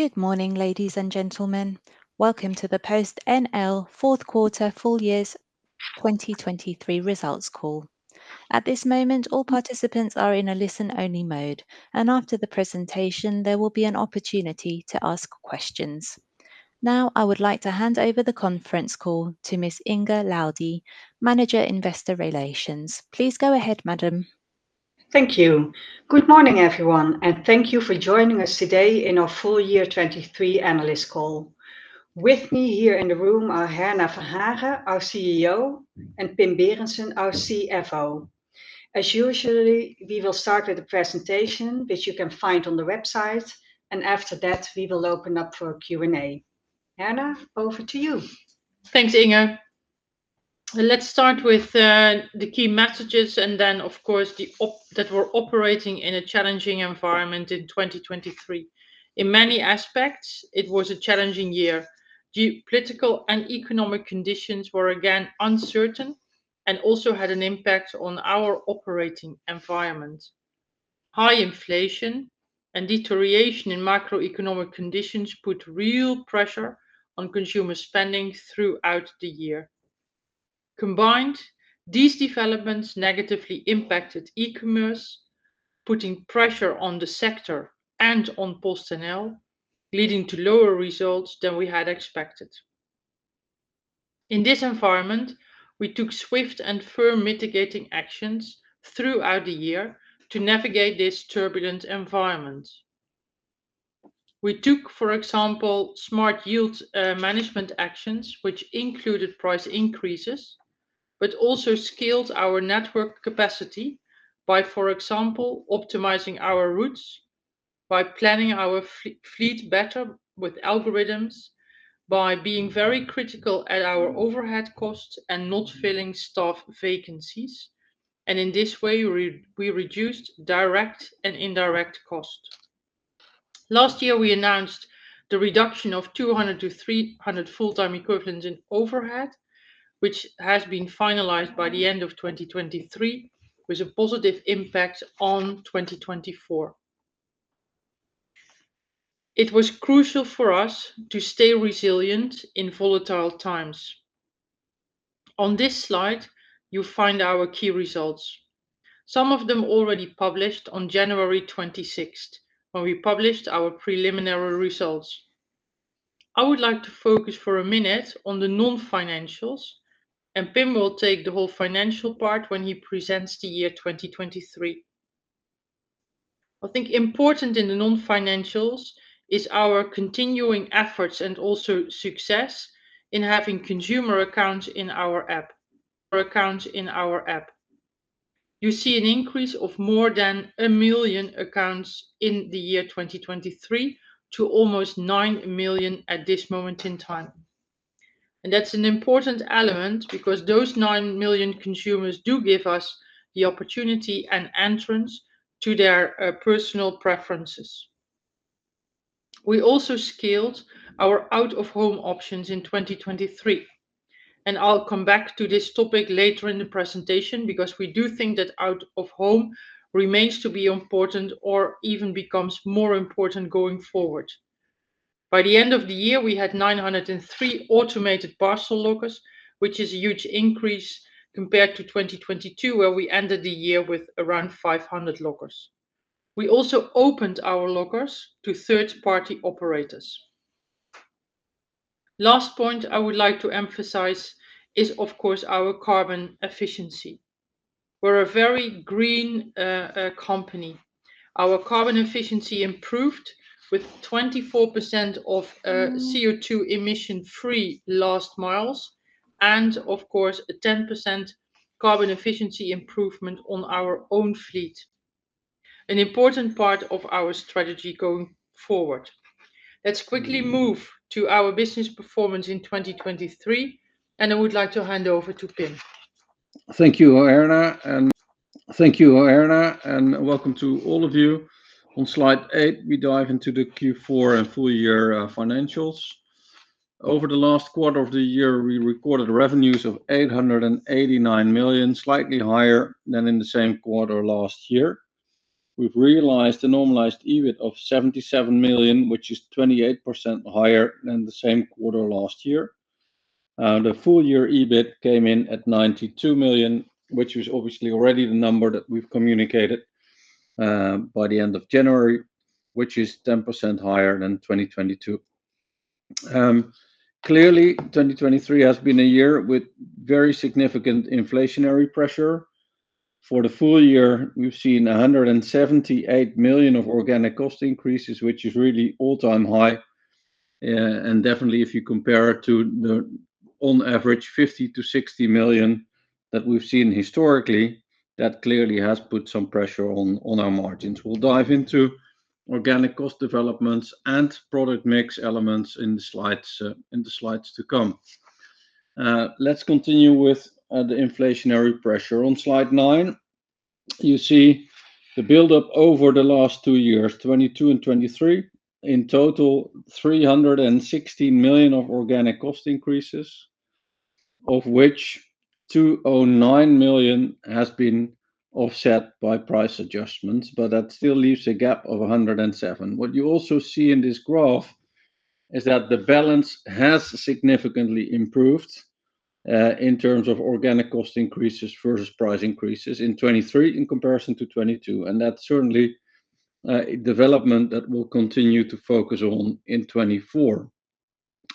Good morning, ladies and gentlemen. Welcome to the PostNL Fourth Quarter Full Year 2023 Results Call. At this moment, all participants are in a listen-only mode, and after the presentation, there will be an opportunity to ask questions. Now, I would like to hand over the conference call to Ms. Inge Laudy, Manager Investor Relations. Please go ahead, madam. Thank you. Good morning, everyone, and thank you for joining us today in our full year 2023 analyst call. With me here in the room are Herna Verhagen, our CEO, and Pim Berendsen, our CFO. As usual, we will start with the presentation, which you can find on the website, and after that, we will open up for Q&A. Herna, over to you. Thanks, Inge. Let's start with the key messages and then, of course, that we're operating in a challenging environment in 2023. In many aspects, it was a challenging year. Geopolitical and economic conditions were again uncertain and also had an impact on our operating environment. High inflation and deterioration in macroeconomic conditions put real pressure on consumer spending throughout the year. Combined, these developments negatively impacted e-commerce, putting pressure on the sector and on PostNL, leading to lower results than we had expected. In this environment, we took swift and firm mitigating actions throughout the year to navigate this turbulent environment. We took, for example, smart yield management actions, which included price increases, but also scaled our network capacity by, for example, optimizing our routes, by planning our fleet better with algorithms, by being very critical at our overhead costs and not filling staff vacancies, and in this way, we reduced direct and indirect costs. Last year, we announced the reduction of 200-300 full-time equivalents in overhead, which has been finalized by the end of 2023, with a positive impact on 2024. It was crucial for us to stay resilient in volatile times. On this slide, you'll find our key results, some of them already published on January 26, when we published our preliminary results. I would like to focus for a minute on the non-financials, and Pim will take the whole financial part when he presents the year 2023. I think important in the non-financials is our continuing efforts, and also success, in having consumer accounts in our app, or accounts in our app. You see an increase of more than 1 million accounts in the year 2023 to almost 9 million at this moment in time, and that's an important element because those 9 million consumers do give us the opportunity and entrance to their personal preferences. We also scaled our out-of-home options in 2023, and I'll come back to this topic later in the presentation, because we do think that out-of-home remains to be important or even becomes more important going forward. By the end of the year, we had 903 automated parcel lockers, which is a huge increase compared to 2022, where we ended the year with around 500 lockers. We also opened our lockers to third-party operators. Last point I would like to emphasize is, of course, our carbon efficiency. We're a very green, company. Our carbon efficiency improved with 24% of, CO2 emission-free last miles, and of course, a 10% carbon efficiency improvement on our own fleet, an important part of our strategy going forward. Let's quickly move to our business performance in 2023, and I would like to hand over to Pim. Thank you, Herna, and welcome to all of you. On slide 8, we dive into the Q4 and full year financials. Over the last quarter of the year, we recorded revenues of 889 million, slightly higher than in the same quarter last year. We've realized a normalized EBIT of 77 million, which is 28% higher than the same quarter last year. The full year EBIT came in at 92 million, which was obviously already the number that we've communicated by the end of January, which is 10% higher than 2022. Clearly, 2023 has been a year with very significant inflationary pressure. For the full year, we've seen 178 million of organic cost increases, which is really all-time high, and definitely, if you compare it to the, on average, 50 million-60 million that we've seen historically, that clearly has put some pressure on, on our margins. We'll dive into organic cost developments and product mix elements in the slides, in the slides to come. Let's continue with, the inflationary pressure. On slide 9, you see the build-up over the last two years, 2022 and 2023. In total, 360 million of organic cost increases of which 209 million has been offset by price adjustments, but that still leaves a gap of 107. What you also see in this graph is that the balance has significantly improved in terms of organic cost increases versus price increases in 2023 in comparison to 2022, and that's certainly a development that we'll continue to focus on in 2024.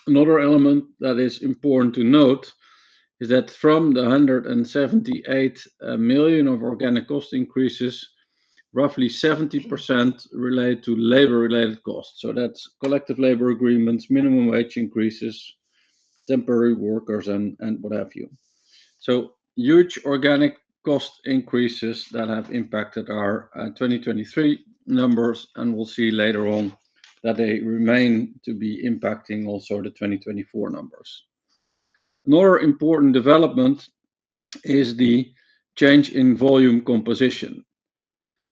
Another element that is important to note is that from the 178 million of organic cost increases, roughly 70% relate to labor-related costs. So that's collective labor agreements, minimum wage increases, temporary workers, and, and what have you. So huge organic cost increases that have impacted our 2023 numbers, and we'll see later on that they remain to be impacting also the 2024 numbers. Another important development is the change in volume composition.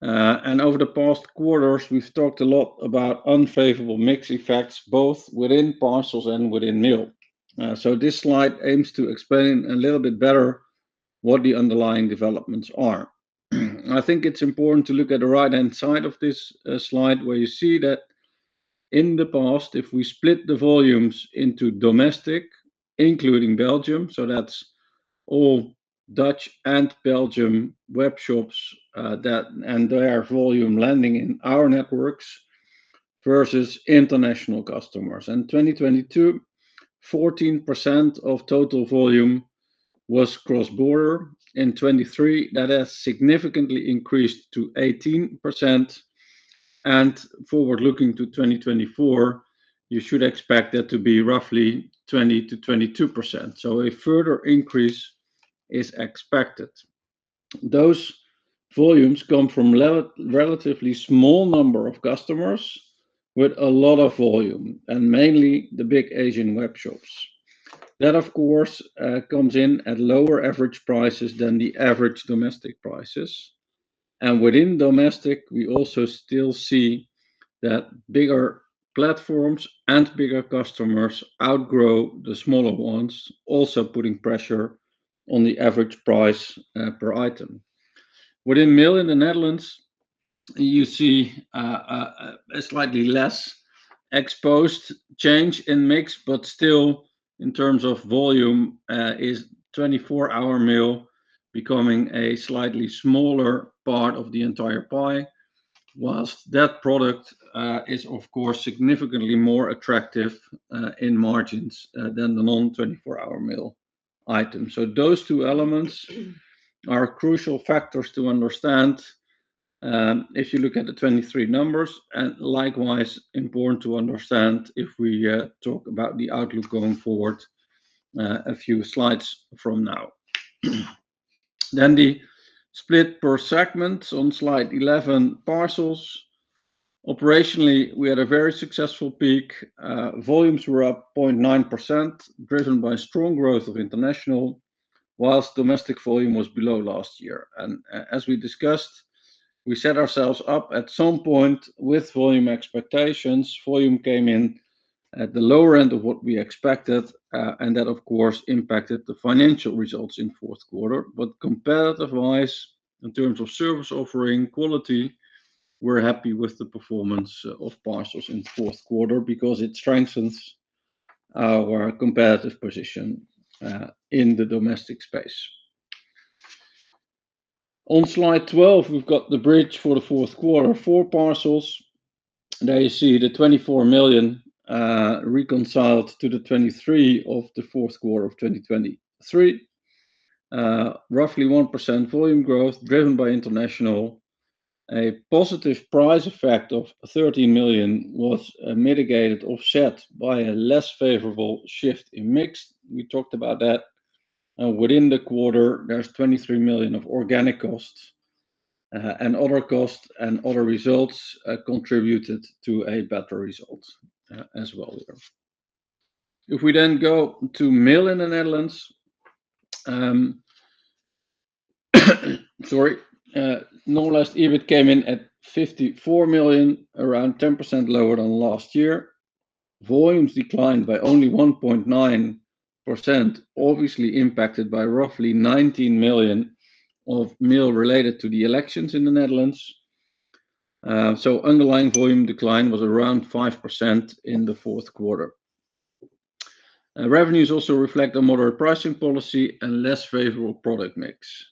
And over the past quarters, we've talked a lot about unfavorable mix effects, both within parcels and within mail. So this slide aims to explain a little bit better what the underlying developments are. I think it's important to look at the right-hand side of this slide, where you see that in the past, if we split the volumes into domestic, including Belgium, so that's all Dutch and Belgium web shops, and their volume landing in our networks versus international customers. In 2022, 14% of total volume was cross-border. In 2023, that has significantly increased to 18%, and forward-looking to 2024, you should expect that to be roughly 20%-22%. So a further increase is expected. Those volumes come from relatively small number of customers with a lot of volume, and mainly the big Asian web shops. That, of. Of course, comes in at lower average prices than the average domestic prices, and within domestic, we also still see that bigger platforms and bigger customers outgrow the smaller ones, also putting pressure on the average price per item. Within mail in the Netherlands, you see a slightly less exposed change in mix, but still, in terms of volume, 24-hour mail is becoming a slightly smaller part of the entire pie. While that product is of course significantly more attractive in margins than the non-24-hour mail item. So those two elements are crucial factors to understand if you look at the 2023 numbers, and likewise important to understand if we talk about the outlook going forward a few slides from now. Then the split per segment on slide 11, parcels. Operationally, we had a very successful peak. Volumes were up 0.9%, driven by strong growth of international, while domestic volume was below last year. And as we discussed, we set ourselves up at some point with volume expectations. Volume came in at the lower end of what we expected, and that, of course, impacted the financial results in fourth quarter. But comparatively, in terms of service offering, quality, we're happy with the performance of parcels in fourth quarter because it strengthens our competitive position, in the domestic space. On slide 12, we've got the bridge for the fourth quarter. For parcels, there you see the 24 million, reconciled to the 23 of the fourth quarter of 2023. Roughly 1% volume growth driven by international. A positive price effect of 13 million was, mitigated, offset by a less favorable shift in mix. We talked about that. Within the quarter, there's 23 million of organic costs, and other costs, and other results, contributed to a better result, as well. If we then go to mail in the Netherlands, sorry. Normalized EBIT came in at 54 million, around 10% lower than last year. Volumes declined by only 1.9%, obviously impacted by roughly 19 million of mail related to the elections in the Netherlands. So underlying volume decline was around 5% in the fourth quarter. Revenues also reflect a moderate pricing policy and less favorable product mix.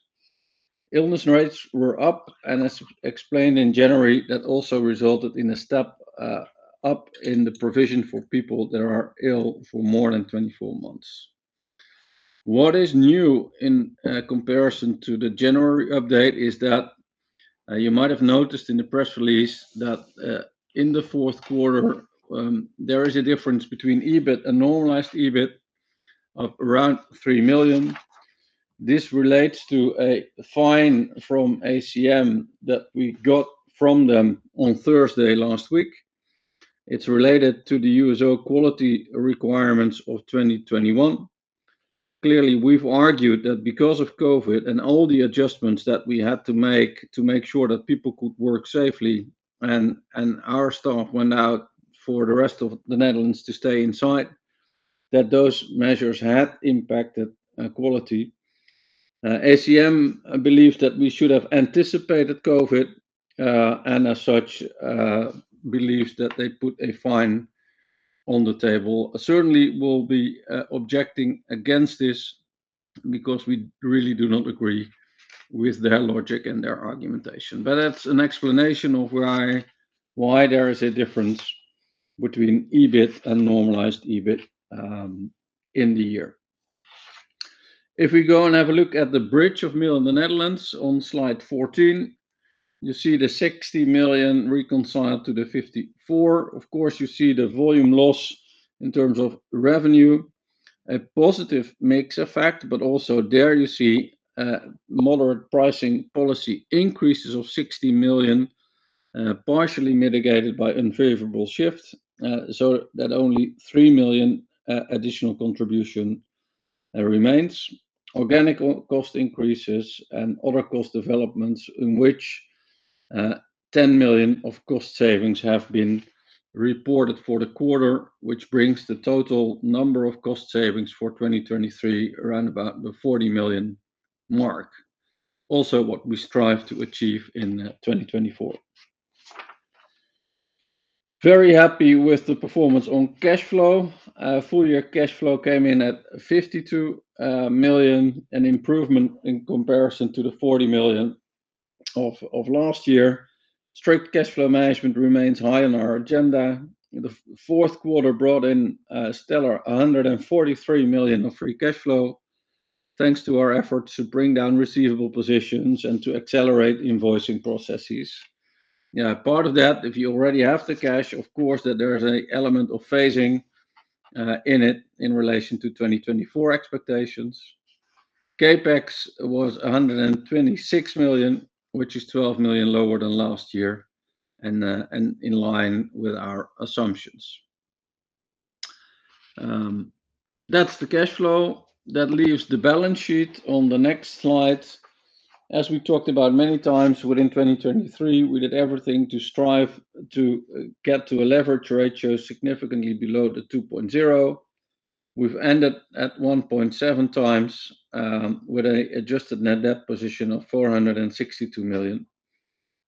Illness rates were up, and as explained in January, that also resulted in a step up in the provision for people that are ill for more than 24 months. What is new in comparison to the January update is that you might have noticed in the press release that in the fourth quarter there is a difference between EBIT and normalized EBIT of around 3 million. This relates to a fine from ACM that we got from them on Thursday last week. It's related to the USO quality requirements of 2021. Clearly, we've argued that because of COVID and all the adjustments that we had to make to make sure that people could work safely and our staff went out for the rest of the Netherlands to stay inside, that those measures had impacted quality. ACM believes that we should have anticipated COVID and as such believes that they put a fine on the table. Certainly, we'll be objecting against this because we really do not agree with their logic and their argumentation. But that's an explanation of why, why there is a difference between EBIT and normalized EBIT in the year. If we go and have a look at the bridge of Mail in the Netherlands on slide 14, you see the 60 million reconciled to the 54 million. Of course, you see the volume loss in terms of revenue. A positive mix effect, but also there you see moderate pricing policy increases of 60 million partially mitigated by unfavorable shifts, so that only 3 million additional contribution remains. Organic cost increases and other cost developments in which 10 million of cost savings have been reported for the quarter, which brings the total number of cost savings for 2023 around about the 40 million mark. Also, what we strive to achieve in 2024. Very happy with the performance on cash flow. Full year cash flow came in at 52 million, an improvement in comparison to the 40 million of last year. Strict cash flow management remains high on our agenda. The fourth quarter brought in stellar 143 million of free cash flow, thanks to our efforts to bring down receivable positions and to accelerate invoicing processes. Yeah, part of that, if you already have the cash, of course, that there is a element of phasing in it in relation to 2024 expectations. CapEx was 126 million, which is 12 million lower than last year, and in line with our assumptions. That's the cash flow. That leaves the balance sheet on the next slide. As we talked about many times, within 2023, we did everything to strive to get to a leverage ratio significantly below the 2.0. We've ended at 1.7x with an adjusted net debt position of 462 million.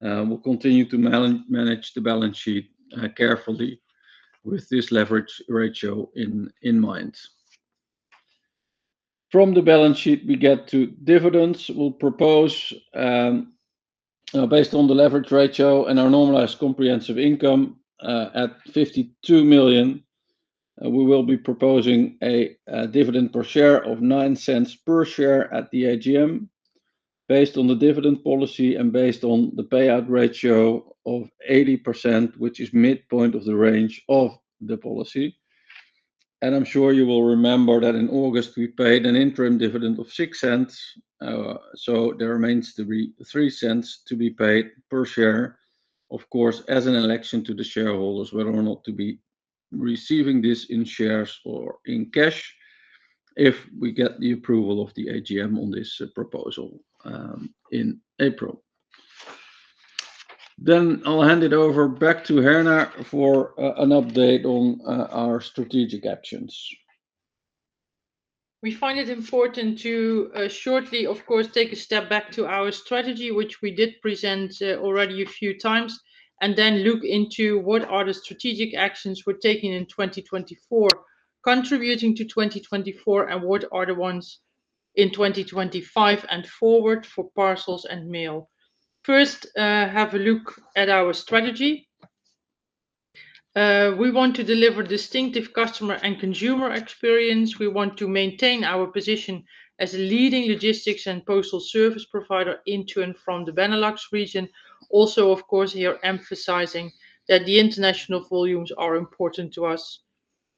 We'll continue to manage the balance sheet carefully with this leverage ratio in mind. From the balance sheet, we get to dividends. We'll propose, based on the leverage ratio and our normalized comprehensive income at 52 million, we will be proposing a dividend per share of 0.09 per share at the AGM, based on the dividend policy and based on the payout ratio of 80%, which is midpoint of the range of the policy. I'm sure you will remember that in August, we paid an interim dividend of 0.06. There remains 3.3 cents to be paid per share. Of course, as an election to the shareholders, whether or not to be receiving this in shares or in cash, if we get the approval of the AGM on this proposal, in April. I'll hand it over back to Herna for an update on our strategic actions. We find it important to shortly, of course, take a step back to our strategy, which we did present already a few times, and then look into what are the strategic actions we're taking in 2024, contributing to 2024, and what are the ones in 2025 and forward for parcels and mail. First, have a look at our strategy. We want to deliver distinctive customer and consumer experience. We want to maintain our position as a leading logistics and postal service provider into and from the Benelux region. Also, of course, here emphasizing that the international volumes are important to us,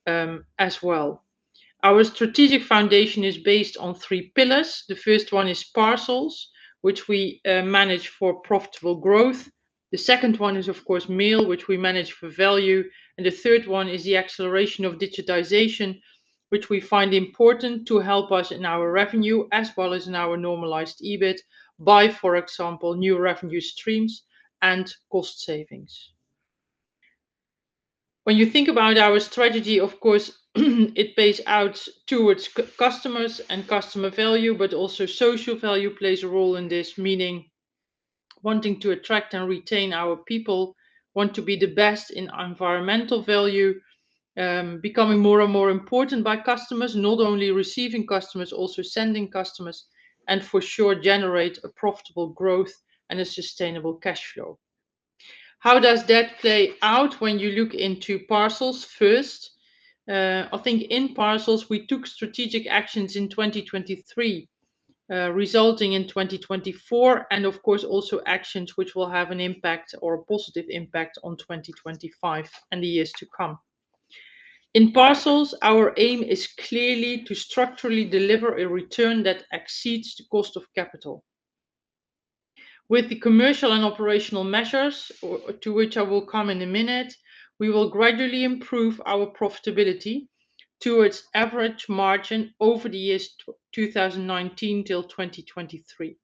as well. Our strategic foundation is based on three pillars. The first one is parcels, which we manage for profitable growth. The second one is, of course, mail, which we manage for value, and the third one is the acceleration of digitization, which we find important to help us in our revenue as well as in our Normalized EBIT, by, for example, new revenue streams and cost savings. When you think about our strategy, of course, it pays out towards customers and customer value, but also social value plays a role in this, meaning wanting to attract and retain our people, want to be the best in environmental value, becoming more and more important by customers, not only receiving customers, also sending customers, and for sure, generate a profitable growth and a sustainable cash flow. How does that play out when you look into parcels first? I think in parcels, we took strategic actions in 2023, resulting in 2024, and of course, also actions which will have an impact or a positive impact on 2025 and the years to come. In parcels, our aim is clearly to structurally deliver a return that exceeds the cost of capital. With the commercial and operational measures, or to which I will come in a minute, we will gradually improve our profitability to its average margin over the years 2019 till 2023.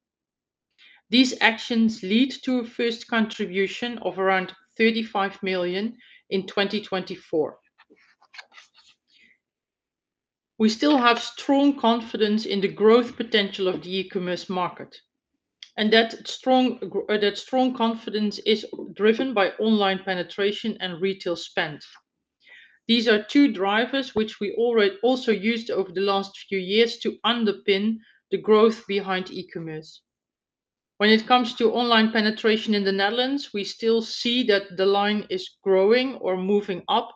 These actions lead to a first contribution of around 35 million in 2024. We still have strong confidence in the growth potential of the e-commerce market, and that strong confidence is driven by online penetration and retail spend. These are two drivers which we already also used over the last few years to underpin the growth behind e-commerce. When it comes to online penetration in the Netherlands, we still see that the line is growing or moving up,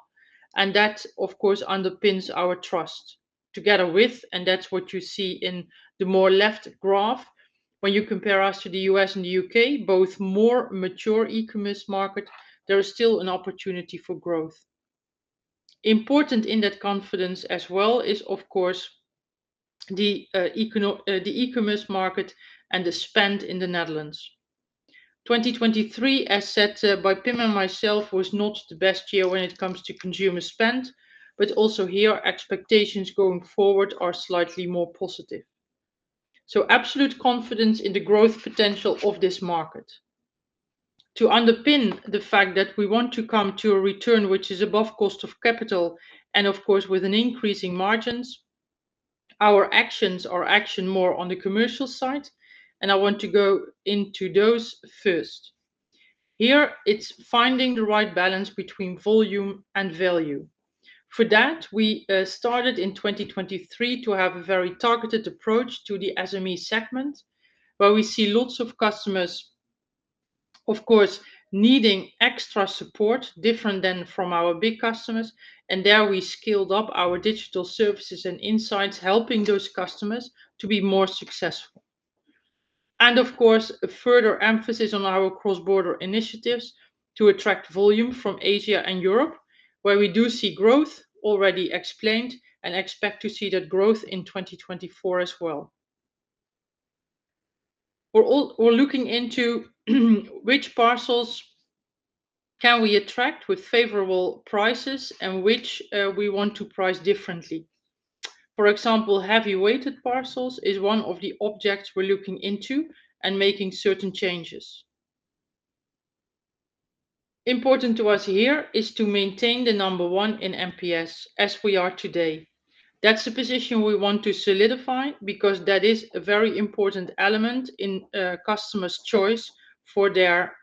and that, of course, underpins our trust. Together with, and that's what you see in the more left graph, when you compare us to the US and the UK, both more mature e-commerce market, there is still an opportunity for growth. Important in that confidence as well is, of course, the e-commerce market and the spend in the Netherlands. 2023, as said, by Pim and myself, was not the best year when it comes to consumer spend, but also here, expectations going forward are slightly more positive. So absolute confidence in the growth potential of this market. To underpin the fact that we want to come to a return, which is above cost of capital, and of course, with increasing margins, our actions are more on the commercial side, and I want to go into those first. Here, it's finding the right balance between volume and value. For that, we started in 2023 to have a very targeted approach to the SME segment, where we see lots of customers, of course, needing extra support, different than from our big customers, and there we scaled up our digital services and insights, helping those customers to be more successful. And of course, a further emphasis on our cross-border initiatives to attract volume from Asia and Europe, where we do see growth already explained and expect to see that growth in 2024 as well. We're looking into, which parcels can we attract with favorable prices and which we want to price differently? For example, heavy-weighted parcels is one of the objects we're looking into and making certain changes. Important to us here is to maintain the number one in MPS, as we are today. That's the position we want to solidify, because that is a very important element in, customers' choice for their,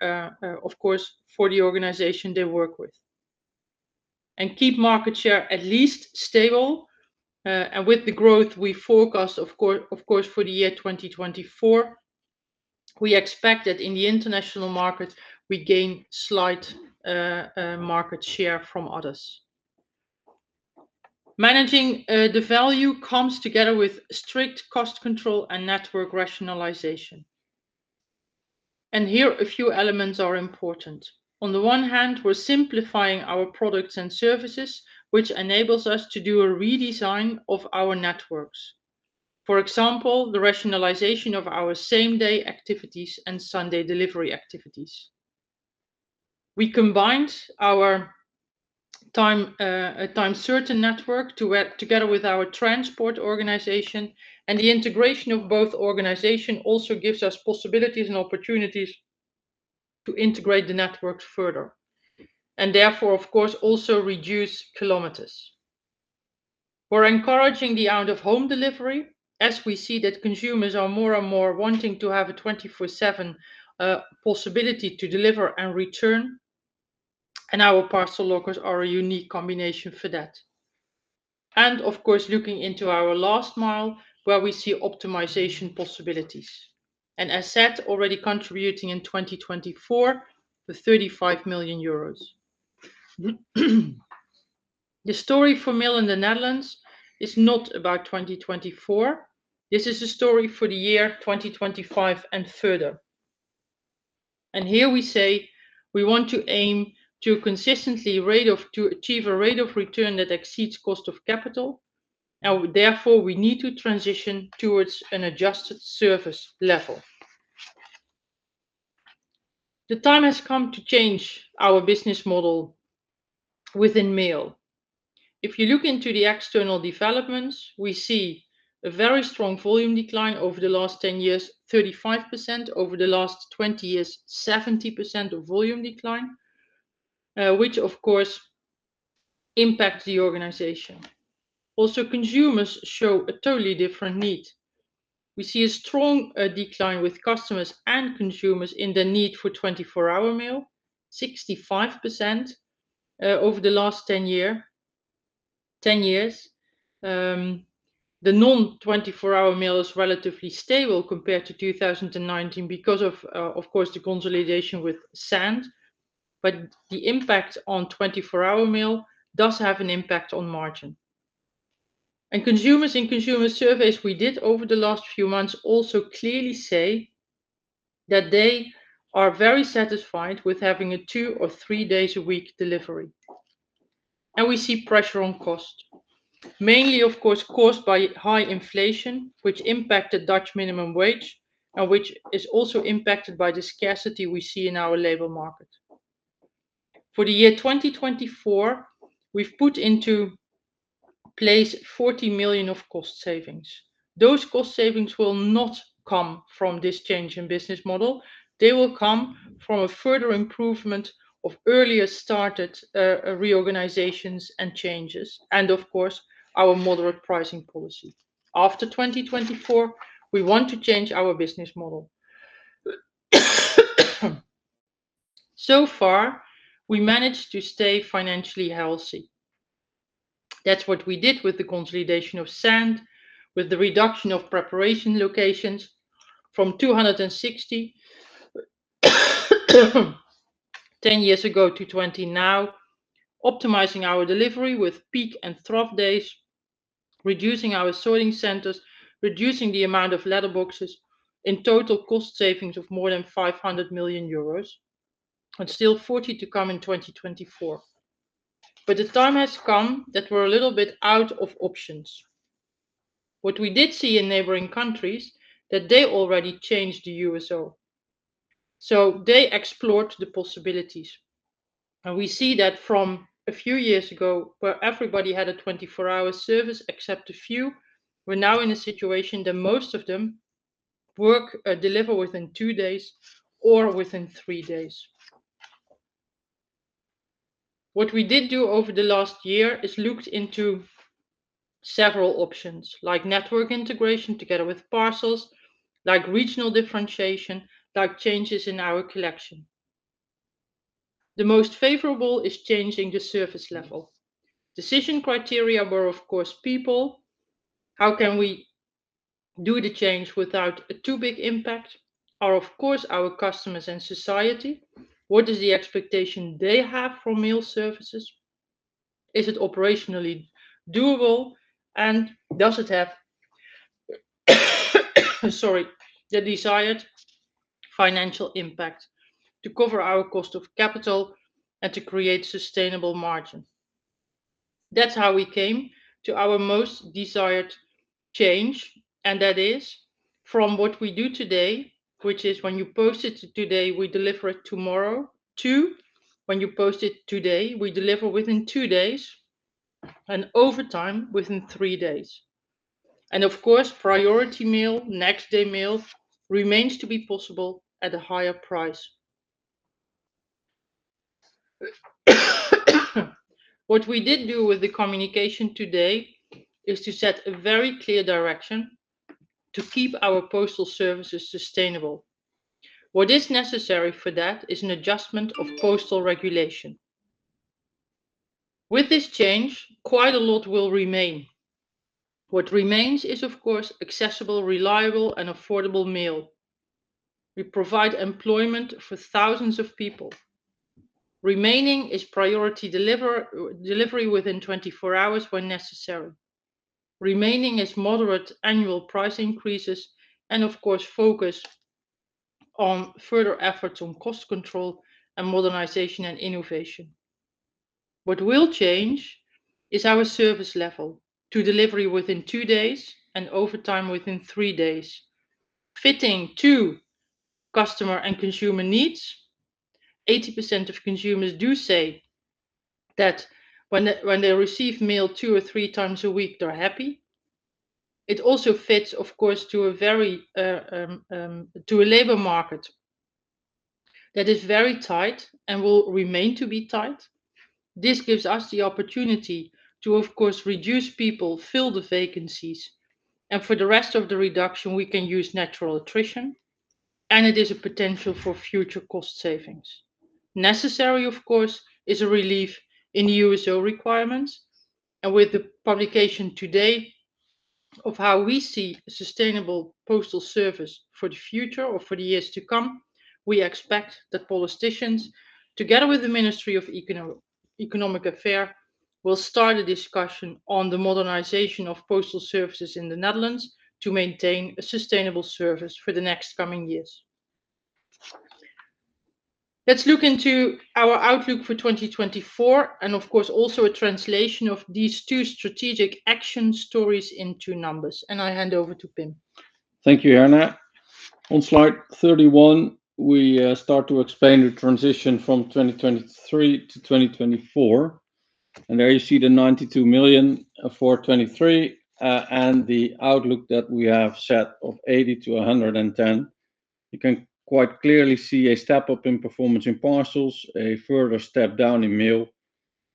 of course, for the organization they work with. And keep market share at least stable, and with the growth we forecast, of course, for the year 2024, we expect that in the international markets, we gain slight market share from others. Managing the value comes together with strict cost control and network rationalization, and here a few elements are important. On the one hand, we're simplifying our products and services, which enables us to do a redesign of our networks. For example, the rationalization of our same-day activities and Sunday delivery activities. We combined our time, time-certain network to work together with our transport organization, and the integration of both organization also gives us possibilities and opportunities to integrate the networks further, and therefore, of course, also reduce kilometers. We're encouraging the out-of-home delivery, as we see that consumers are more and more wanting to have a 24/7 possibility to deliver and return, and our parcel lockers are a unique combination for that. And of course, looking into our last mile, where we see optimization possibilities, and as said, already contributing in 2024, to EUR 35 million. The story for Mail in the Netherlands is not about 2024, this is a story for the year 2025 and further. And here we say we want to achieve a rate of return that exceeds cost of capital, and therefore, we need to transition towards an adjusted service level. The time has come to change our business model within Mail. If you look into the external developments, we see a very strong volume decline over the last 10 years, 35%. Over the last 20 years, 70% of volume decline, which of course impacts the organization. Also, consumers show a totally different need. We see a strong decline with customers and consumers in the need for 24-hour mail, 65% over the last 10 years. The non-24-hour mail is relatively stable compared to 2019 because of, of course, the consolidation with Sandd, but the impact on 24-hour mail does have an impact on margin. Consumers in consumer surveys we did over the last few months also clearly say that they are very satisfied with having a two or three days a week delivery. We see pressure on cost, mainly, of course, caused by high inflation, which impacted Dutch minimum wage, and which is also impacted by the scarcity we see in our labor market. For the year 2024, we've put into place 40 million of cost savings. Those cost savings will not come from this change in business model. They will come from a further improvement of earlier started reorganizations and changes, and of course, our moderate pricing policy. After 2024, we want to change our business model. So far, we managed to stay financially healthy. That's what we did with the consolidation of Sandd, with the reduction of preparation locations from 260, ten years ago to 20 now, optimizing our delivery with peak and trough days, reducing our sorting centers, reducing the amount of letterboxes, in total cost savings of more than 500 million euros, and still 40 to come in 2024. But the time has come that we're a little bit out of options. What we did see in neighboring countries, that they already changed the USO, so they explored the possibilities. And we see that from a few years ago, where everybody had a 24-hour service, except a few, we're now in a situation that most of them work, deliver within 2 days or within 3 days. What we did do over the last year is looked into several options, like network integration together with parcels, like regional differentiation, like changes in our collection. The most favorable is changing the service level. Decision criteria were, of course, people. How can we do the change without a too big impact? Or, of course, our customers and society, what is the expectation they have for mail services? Is it operationally doable, and does it have, sorry, the desired financial impact to cover our cost of capital and to create sustainable margin? That's how we came to our most desired change, and that is from what we do today, which is when you post it today, we deliver it tomorrow. Two, when you post it today, we deliver within two days, and over time, within three days. Of course, priority mail, next day mail, remains to be possible at a higher price. What we did do with the communication today is to set a very clear direction to keep our postal services sustainable. What is necessary for that is an adjustment of postal regulation. With this change, quite a lot will remain. What remains is, of course, accessible, reliable and affordable mail. We provide employment for thousands of people. Remaining is priority delivery within 24 hours when necessary. Remaining is moderate annual price increases, and of course, focus on further efforts on cost control and modernization and innovation. What will change is our service level to delivery within 2 days, and over time, within 3 days. Fitting to customer and consumer needs, 80% of consumers do say that when they, when they receive mail 2 or 3 times a week, they're happy. It also fits, of course, to a very, to a labor market that is very tight and will remain to be tight. This gives us the opportunity to, of course, reduce people, fill the vacancies, and for the rest of the reduction, we can use natural attrition, and it is a potential for future cost savings. Necessary, of course, is a relief in the USO requirements, and with the publication today of how we see sustainable postal service for the future or for the years to come, we expect that politicians, together with the Ministry of Economic Affairs, will start a discussion on the modernization of postal services in the Netherlands to maintain a sustainable service for the next coming years. Let's look into our outlook for 2024, and of course, also a translation of these two strategic action stories into numbers. I hand over to Pim. Thank you, Herna. On slide 31, we start to explain the transition from 2023 to 2024. There you see the 92 million for 2023, and the outlook that we have set of 80 million-110 million. You can quite clearly see a step up in performance in parcels, a further step down in mail,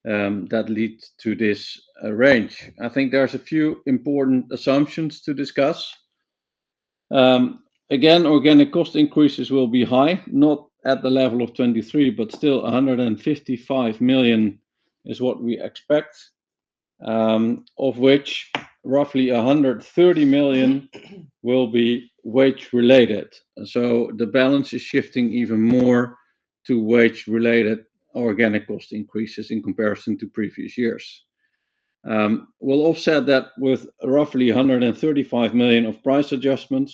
that leads to this range. I think there's a few important assumptions to discuss. Again, organic cost increases will be high, not at the level of 2023, but still 155 million is what we expect, of which roughly 130 million will be wage-related. So the balance is shifting even more to wage-related organic cost increases in comparison to previous years. We'll offset that with roughly 135 million of price adjustments,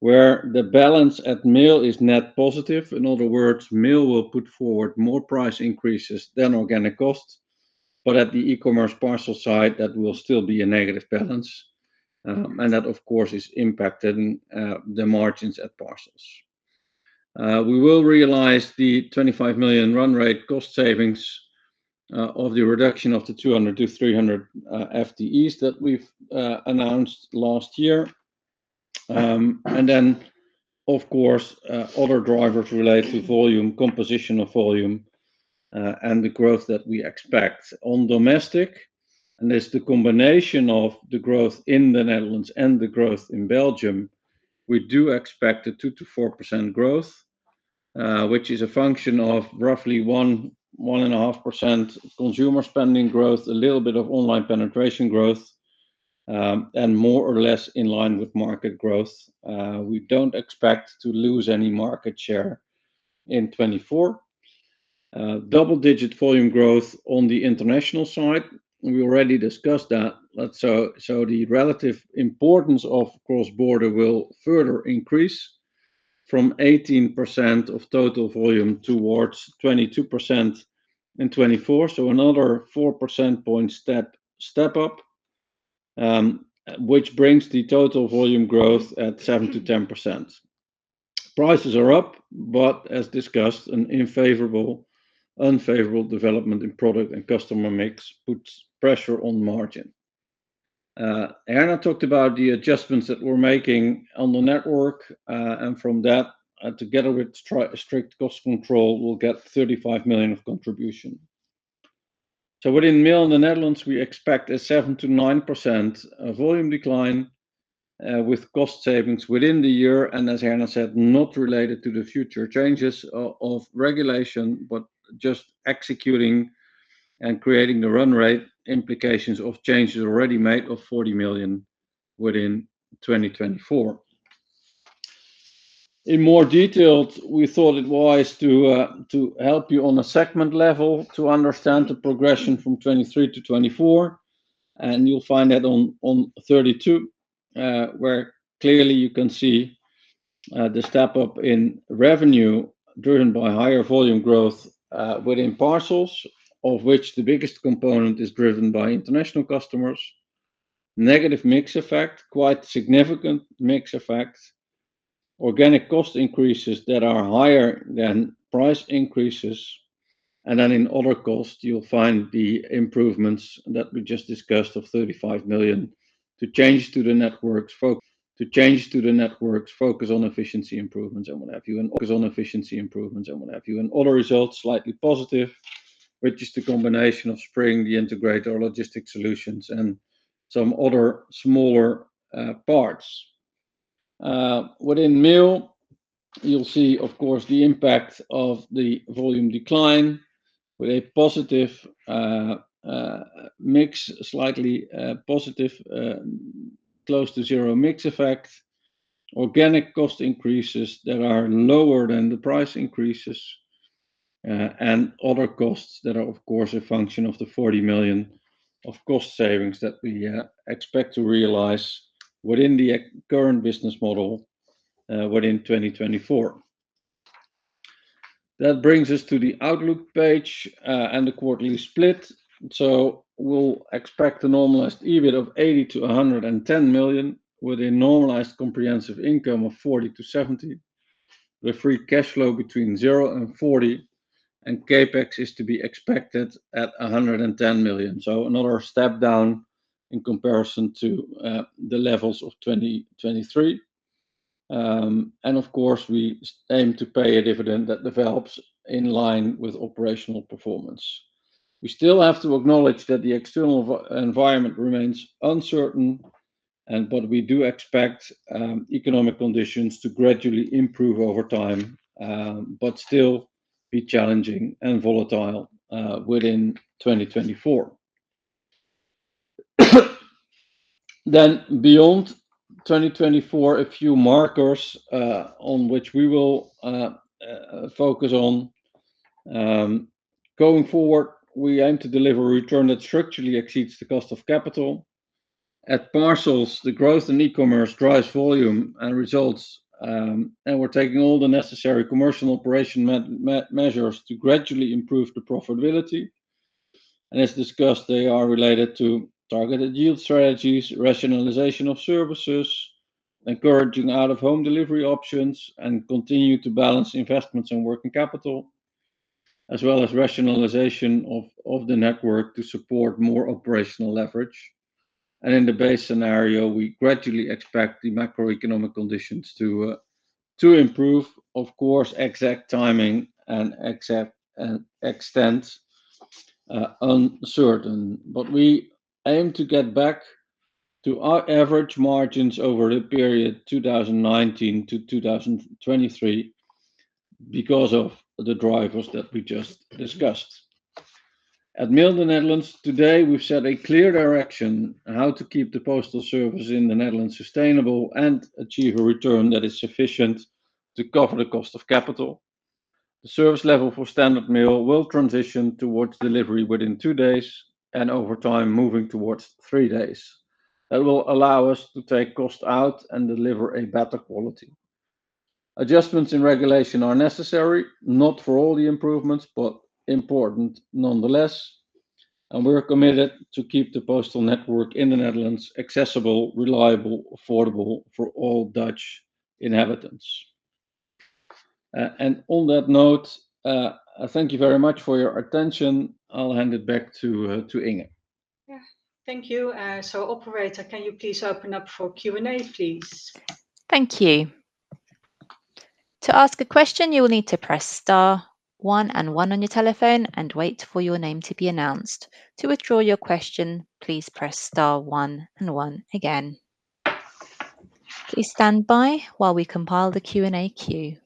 where the balance at mail is net positive. In other words, mail will put forward more price increases than organic costs.. but at the e-commerce parcel side, that will still be a negative balance, and that, of course, is impacted in the margins at parcels. We will realize the 25 million run rate cost savings of the reduction of the 200-300 FTEs that we've announced last year. And then, of course, other drivers relate to volume, composition of volume, and the growth that we expect on domestic. And there's the combination of the growth in the Netherlands and the growth in Belgium. We do expect 2%-4% growth, which is a function of roughly 1-1.5% consumer spending growth, a little bit of online penetration growth, and more or less in line with market growth. We don't expect to lose any market share in 2024. Double-digit volume growth on the international side, we already discussed that. But so, so the relative importance of cross-border will further increase from 18% of total volume towards 22% in 2024. So another 4 percentage point step, step up, which brings the total volume growth at 7%-10%. Prices are up, but as discussed, an unfavorable, unfavorable development in product and customer mix puts pressure on margin. Anna talked about the adjustments that we're making on the network, and from that, together with strict cost control, we'll get 35 million of contribution. So within Mail in the Netherlands, we expect a 7%-9% volume decline, with cost savings within the year, and as Anna said, not related to the future changes of regulation, but just executing and creating the run rate implications of changes already made of 40 million within 2024. In more detail, we thought it wise to help you on a segment level to understand the progression from 2023 to 2024, and you'll find that on 32, where clearly you can see the step up in revenue driven by higher volume growth within parcels, of which the biggest component is driven by international customers. Negative mix effect, quite significant mix effect. Organic cost increases that are higher than price increases, and then in other costs, you'll find the improvements that we just discussed of 35 million to change to the network's focus on efficiency improvements and what have you, and focus on efficiency improvements and what have you. Other results, slightly positive, which is the combination of spreading the integrated logistic solutions and some other smaller parts. Within Mail, you'll see, of course, the impact of the volume decline with a positive mix, slightly positive, close to zero mix effect, organic cost increases that are lower than the price increases, and other costs that are, of course, a function of the 40 million of cost savings that we expect to realize within the current business model, within 2024. That brings us to the outlook page, and the quarterly split. So we'll expect a normalized EBIT of 80 million-110 million, with a normalized comprehensive income of 40-70. The free cash flow between zero and 40, and CapEx is to be expected at 110 million. So another step down in comparison to the levels of 2023. And of course, we aim to pay a dividend that develops in line with operational performance. We still have to acknowledge that the external environment remains uncertain, and but we do expect economic conditions to gradually improve over time, but still be challenging and volatile within 2024. Then beyond 2024, a few markers on which we will focus on. Going forward, we aim to deliver a return that structurally exceeds the cost of capital. At parcels, the growth in e-commerce drives volume and results, and we're taking all the necessary commercial operation measures to gradually improve the profitability. And as discussed, they are related to targeted yield strategies, rationalization of services, encouraging out-of-home delivery options, and continue to balance investments in working capital, as well as rationalization of the network to support more operational leverage. In the base scenario, we gradually expect the macroeconomic conditions to improve. Of course, exact timing and exact extent uncertain. We aim to get back to our average margins over the period 2019 to 2023 because of the drivers that we just discussed. At Mail in the Netherlands today, we've set a clear direction on how to keep the postal service in the Netherlands sustainable and achieve a return that is sufficient to cover the cost of capital. The service level for standard mail will transition towards delivery within two days and over time, moving towards three days. That will allow us to take cost out and deliver a better quality. Adjustments in regulation are necessary, not for all the improvements, but important nonetheless, and we're committed to keep the postal network in the Netherlands accessible, reliable, affordable for all Dutch inhabitants. And on that note, thank you very much for your attention. I'll hand it back to Inge. Yeah. Thank you. So, operator, can you please open up for Q&A, please? Thank you. To ask a question, you will need to press star one and one on your telephone and wait for your name to be announced. To withdraw your question, please press star one and one again. Please stand by while we compile the Q&A queue.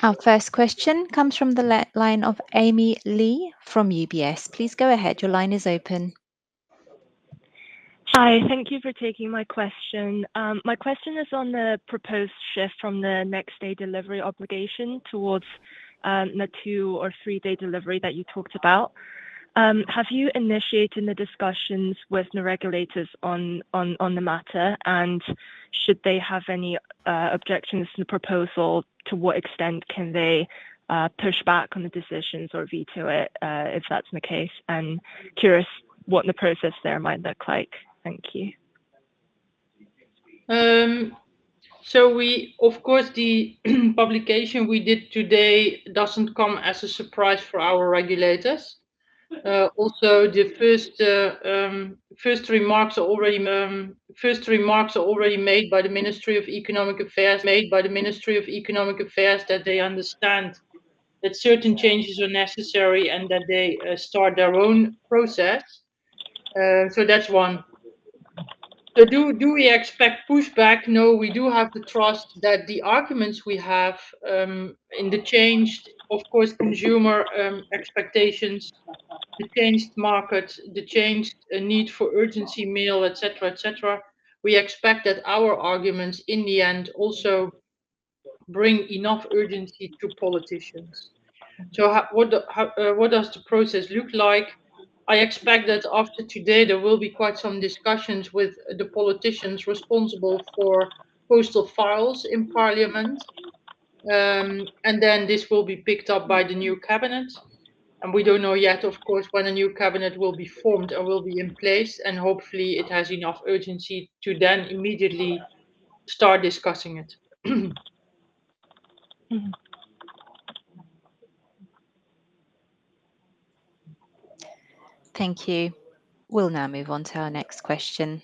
Our first question comes from the line of Amy Li from UBS. Please go ahead. Your line is open. Hi, thank you for taking my question. My question is on the proposed shift from the next day delivery obligation towards the two or three-day delivery that you talked about. Have you initiated the discussions with the regulators on the matter? And should they have any objections to the proposal, to what extent can they push back on the decisions or veto it, if that's the case? I'm curious what the process there might look like. Thank you. Of course, the publication we did today doesn't come as a surprise for our regulators. Also, the first remarks are already made by the Ministry of Economic Affairs that they understand that certain changes are necessary and that they start their own process. So that's one. So do we expect pushback? No, we do have the trust that the arguments we have in the changed, of course, consumer expectations, the changed market, the changed need for urgency, mail, et cetera, et cetera, we expect that our arguments in the end also bring enough urgency to politicians. So what does the process look like? I expect that after today there will be quite some discussions with the politicians responsible for postal files in parliament. And then this will be picked up by the new cabinet, and we don't know yet, of course, when a new cabinet will be formed or will be in place, and hopefully it has enough urgency to then immediately start discussing it. Thank you. We'll now move on to our next question.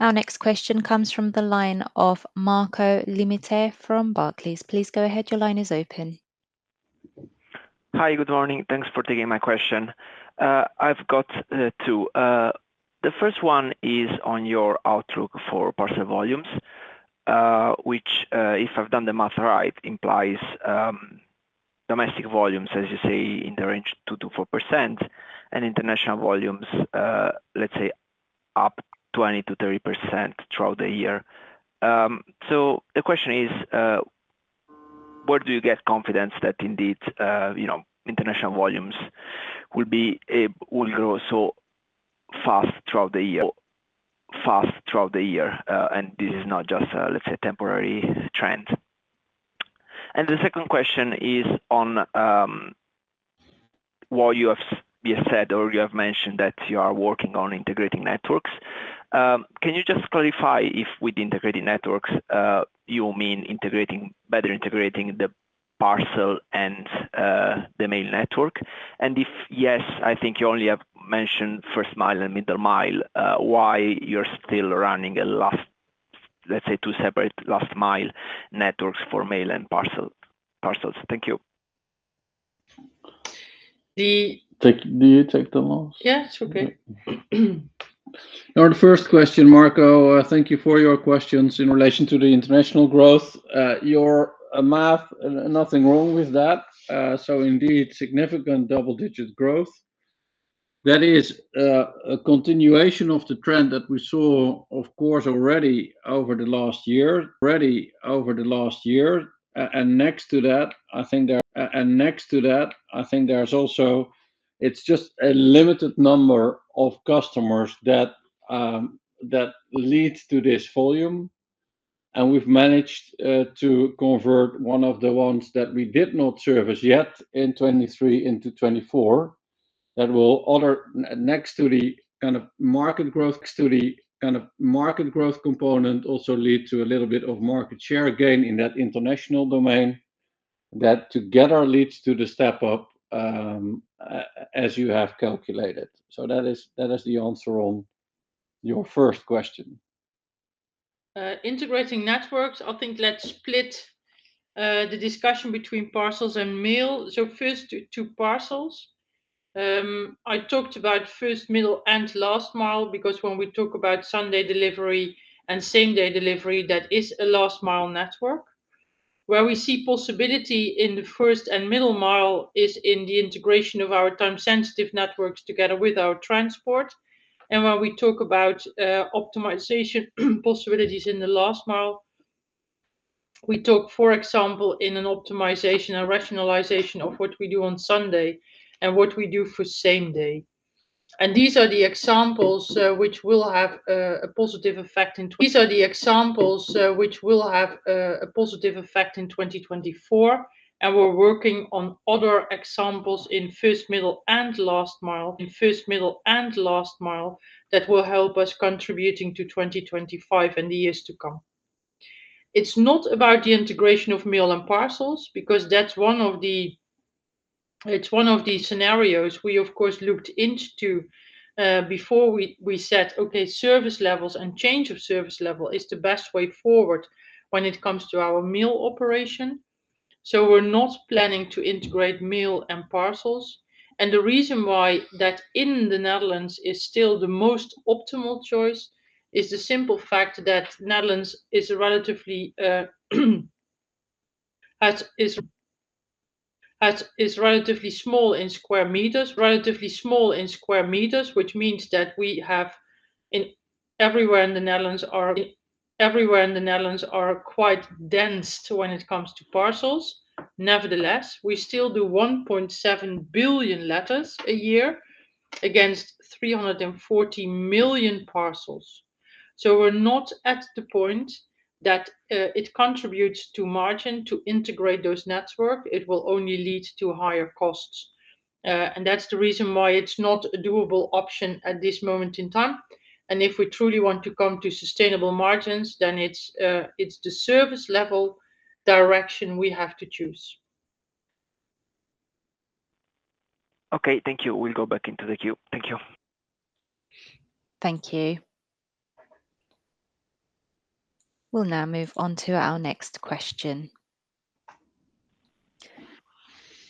Our next question comes from the line of Marco Limite from Barclays. Please go ahead, your line is open. Hi, good morning. Thanks for taking my question. I've got two. The first one is on your outlook for parcel volumes, which, if I've done the math right, implies, domestic volumes, as you say, in the range 2%-4% and international volumes, let's say, up 20%-30% throughout the year. So the question is, where do you get confidence that indeed, you know, international volumes will grow so fast throughout the year, fast throughout the year? And this is not just, let's say, temporary trend. And the second question is on, what you have just said, or you have mentioned that you are working on integrating networks. Can you just clarify if with integrating networks, you mean integrating, better integrating the parcel and, the main network? If yes, I think you only have mentioned first mile and middle mile. Why you're still running a last, let's say, two separate last mile networks for mail and parcel, parcels? Thank you. The- Take, do you take them all? Yeah, it's okay. Now, the first question, Marco, thank you for your questions in relation to the international growth. Your math, nothing wrong with that. So indeed, significant double-digit growth. That is, a continuation of the trend that we saw, of course, already over the last year, already over the last year. And next to that, I think there. And next to that, I think there's also, it's just a limited number of customers that that leads to this volume, and we've managed to convert one of the ones that we did not service yet in 2023 into 2024. That will other. Next to the kind of market growth, next to the kind of market growth component, also lead to a little bit of market share gain in that international domain, that together leads to the step up, as you have calculated. So that is the answer on your first question. Integrating networks, I think let's split the discussion between parcels and mail. So first to parcels. I talked about first, middle, and last mile, because when we talk about Sunday delivery and same-day delivery, that is a last-mile network. Where we see possibility in the first and middle mile is in the integration of our time-sensitive networks together with our transport. And when we talk about optimization possibilities in the last mile, we took, for example, in an optimization, a rationalization of what we do on Sunday and what we do for same day. These are the examples, which will have a positive effect in 2024, and we're working on other examples in first, middle, and last mile that will help us contributing to 2025 and the years to come. It's not about the integration of mail and parcels, because that's one of the- it's one of the scenarios we, of course, looked into, before we said, "Okay, service levels and change of service level is the best way forward when it comes to our mail operation." So we're not planning to integrate mail and parcels, and the reason why that in the Netherlands is still the most optimal choice, is the simple fact that the Netherlands is relatively small in square meters, which means that we have everywhere in the Netherlands quite dense when it comes to parcels. Nevertheless, we still do 1.7 billion letters a year, against 340 million parcels. We're not at the point that it contributes to margin to integrate those network. It will only lead to higher costs, and that's the reason why it's not a doable option at this moment in time. If we truly want to come to sustainable margins, then it's, it's the service level direction we have to choose. Okay, thank you. We'll go back into the queue. Thank you. Thank you. We'll now move on to our next question.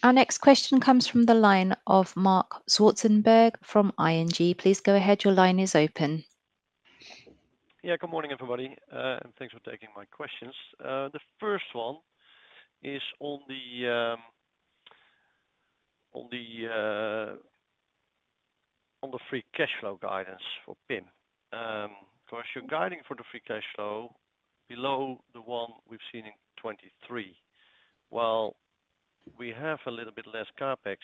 Our next question comes from the line of Marc Zwartsenburg from ING. Please go ahead, your line is open. Yeah, good morning, everybody, and thanks for taking my questions. The first one is on the free cash flow guidance for Pim. Of course, you're guiding for the free cash flow below the one we've seen in 2023. While we have a little bit less CapEx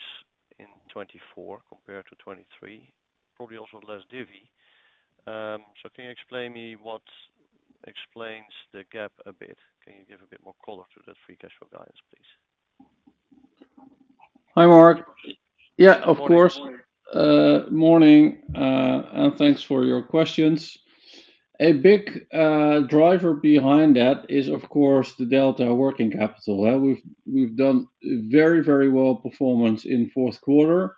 in 2024 compared to 2023, probably also less divvy. So can you explain me what explains the gap a bit? Can you give a bit more color to the free cash flow guidance, please? Hi, Mark. Yeah, of course. Morning. Morning, and thanks for your questions. A big driver behind that is, of course, the delta working capital. We've done very, very well performance in fourth quarter,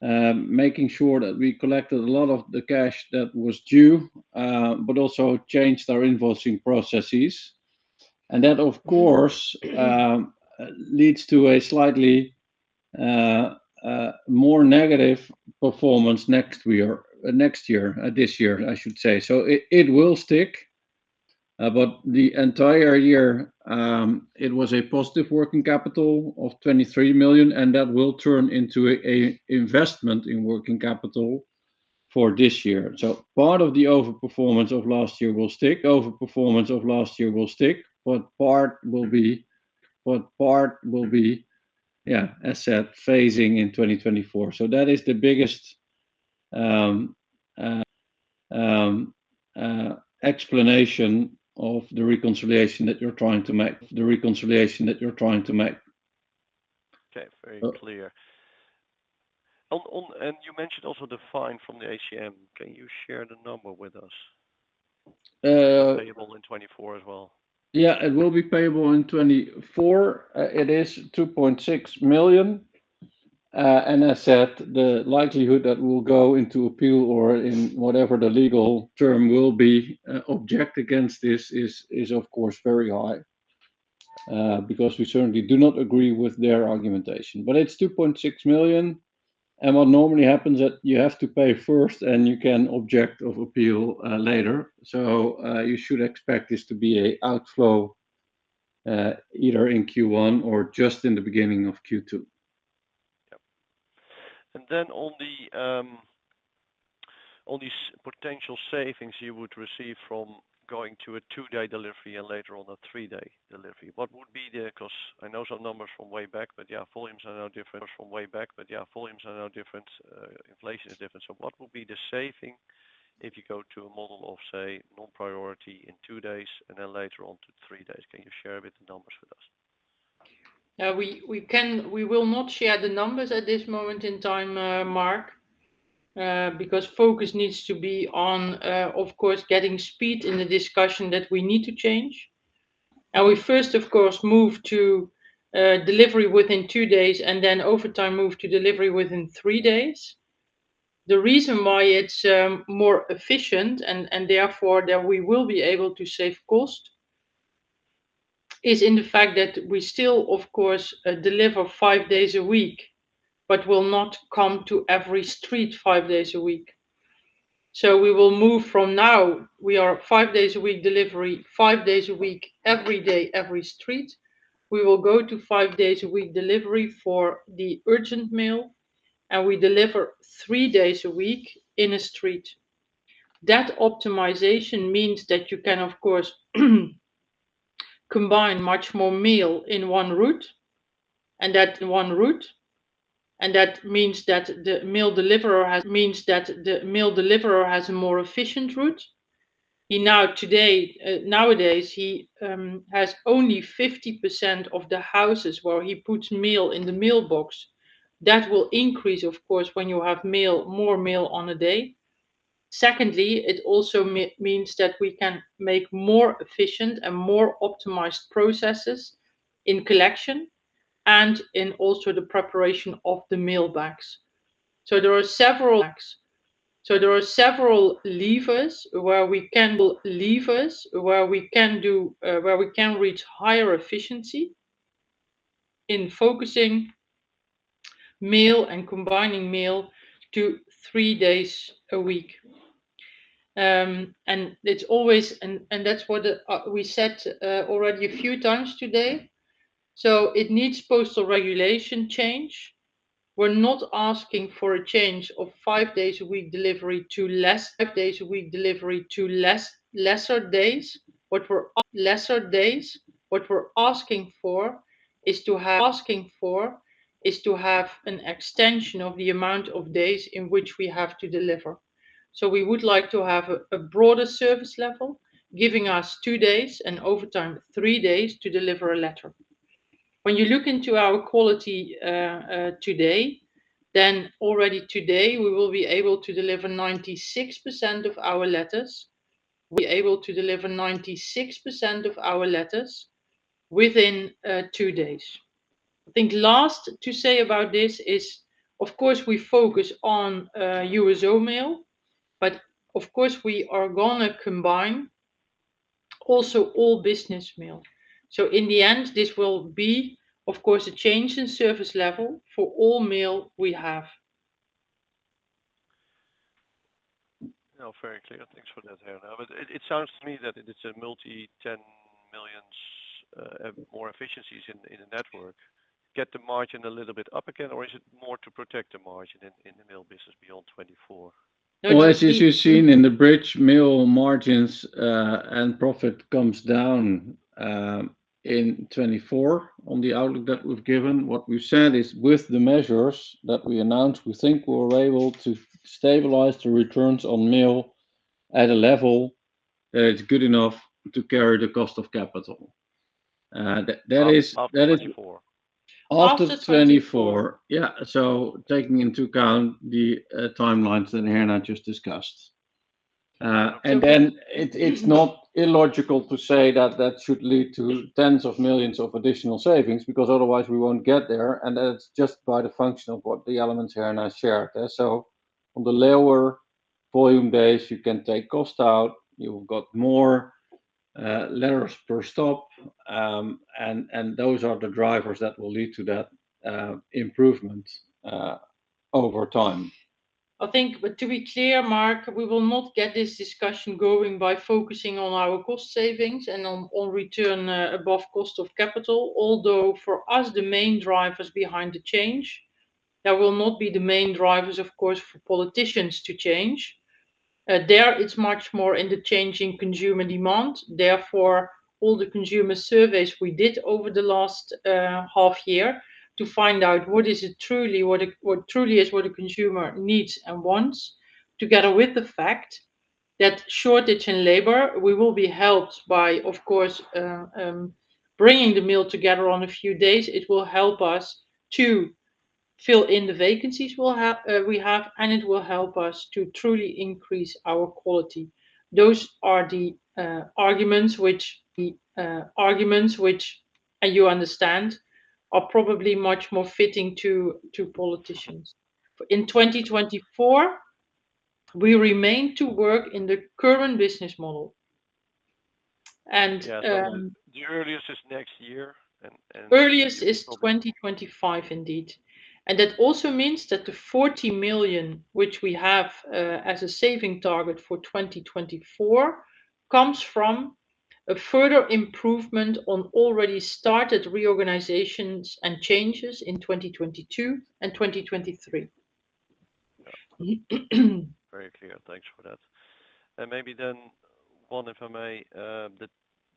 making sure that we collected a lot of the cash that was due, but also changed our invoicing processes. And that, of course, leads to a slightly more negative performance next year, this year, I should say. So it will stick, but the entire year, it was a positive working capital of 23 million, and that will turn into a investment in working capital for this year. So part of the overperformance of last year will stick. Overperformance of last year will stick, but part will be, yeah, as said, phasing in 2024. So that is the biggest explanation of the reconciliation that you're trying to make—the reconciliation that you're trying to make. Okay, very clear. And you mentioned also the fine from the ACM. Can you share the number with us? Payable in 2024 as well. Yeah, it will be payable in 2024. It is 2.6 million, and I said the likelihood that we'll go into appeal or in whatever the legal term will be, object against this is, is, of course, very high, because we certainly do not agree with their argumentation. But it's 2.6 million, and what normally happens that you have to pay first, and you can object of appeal, later. So, you should expect this to be a outflow, either in Q1 or just in the beginning of Q2. Yep. And then on these potential savings you would receive from going to a two-day delivery and later on a three-day delivery, what would be the. 'Cause I know some numbers from way back, but yeah, volumes are now different from way back, inflation is different. So what will be the saving if you go to a model of, say, non-priority in two days and then later on to three days? Can you share a bit the numbers with us? We will not share the numbers at this moment in time, Mark, because focus needs to be on, of course, getting speed in the discussion that we need to change. We first, of course, move to delivery within 2 days, and then over time, move to delivery within 3 days. The reason why it's more efficient, and therefore, that we will be able to save cost, is in the fact that we still, of course, deliver 5 days a week, but will not come to every street 5 days a week. So we will move from now, we are 5 days a week delivery, 5 days a week, every day, every street. We will go to 5 days a week delivery for the urgent mail, and we deliver 3 days a week in a street. That optimization means that you can, of course, combine much more mail in one route, and that one route, and that means that the mail deliverer has a more efficient route. He now, today, nowadays, he has only 50% of the houses where he puts mail in the mailbox. That will increase, of course, when you have mail, more mail on a day. Secondly, it also means that we can make more efficient and more optimized processes in collection and in also the preparation of the mail bags. So there are several levers where we can reach higher efficiency in focusing mail and combining mail to three days a week. And it's always and that's what we said already a few times today. So it needs postal regulation change. We're not asking for a change of five days a week delivery to lesser days. What we're asking for is to have an extension of the amount of days in which we have to deliver. So we would like to have a broader service level, giving us two days and over time, three days to deliver a letter. When you look into our quality today, then already today, we will be able to deliver 96% of our letters within two days. I think last to say about this is, of course, we focus on USO mail, but of course, we are gonna combine also all business mail. In the end, this will be, of course, a change in service level for all mail we have. Well, very clear. Thanks for that, Herna. But it sounds to me that it's multiple tens of millions EUR more efficiencies in the network. Get the margin a little bit up again, or is it more to protect the margin in the mail business beyond 2024? Well, as you've seen in the bridge, mail margins and profit comes down in 2024 on the outlook that we've given. What we've said is with the measures that we announced, we think we're able to stabilize the returns on mail at a level that's good enough to carry the cost of capital. That is, that is- After twenty-four. After twenty-four. After 24. Yeah, so taking into account the timelines that Herna just discussed. And then it, it's not illogical to say that that should lead to tens of millions EUR of additional savings, because otherwise we won't get there, and that's just by the function of what the elements Herna shared there. So on the lower volume base, you can take cost out, you've got more letters per stop, and those are the drivers that will lead to that improvement over time. I think, but to be clear, Mark, we will not get this discussion going by focusing on our cost savings and on return above cost of capital. Although for us, the main drivers behind the change, that will not be the main drivers, of course, for politicians to change. There, it's much more in the changing consumer demand. Therefore, all the consumer surveys we did over the last half year to find out what is it truly, what it, what truly is what the consumer needs and wants, together with the fact that shortage in labor, we will be helped by, of course, bringing the mail together on a few days. It will help us to fill in the vacancies we'll have, we have, and it will help us to truly increase our quality. Those are the arguments which the.arguments which, you understand are probably much more fitting to, to politicians. In 2024, we remain to work in the current business model. And, Yeah, so the earliest is next year, and Earliest is 2025, indeed. That also means that the 40 million, which we have as a saving target for 2024, comes from a further improvement on already started reorganizations and changes in 2022 and 2023. Very clear. Thanks for that. And maybe then, one, if I may, that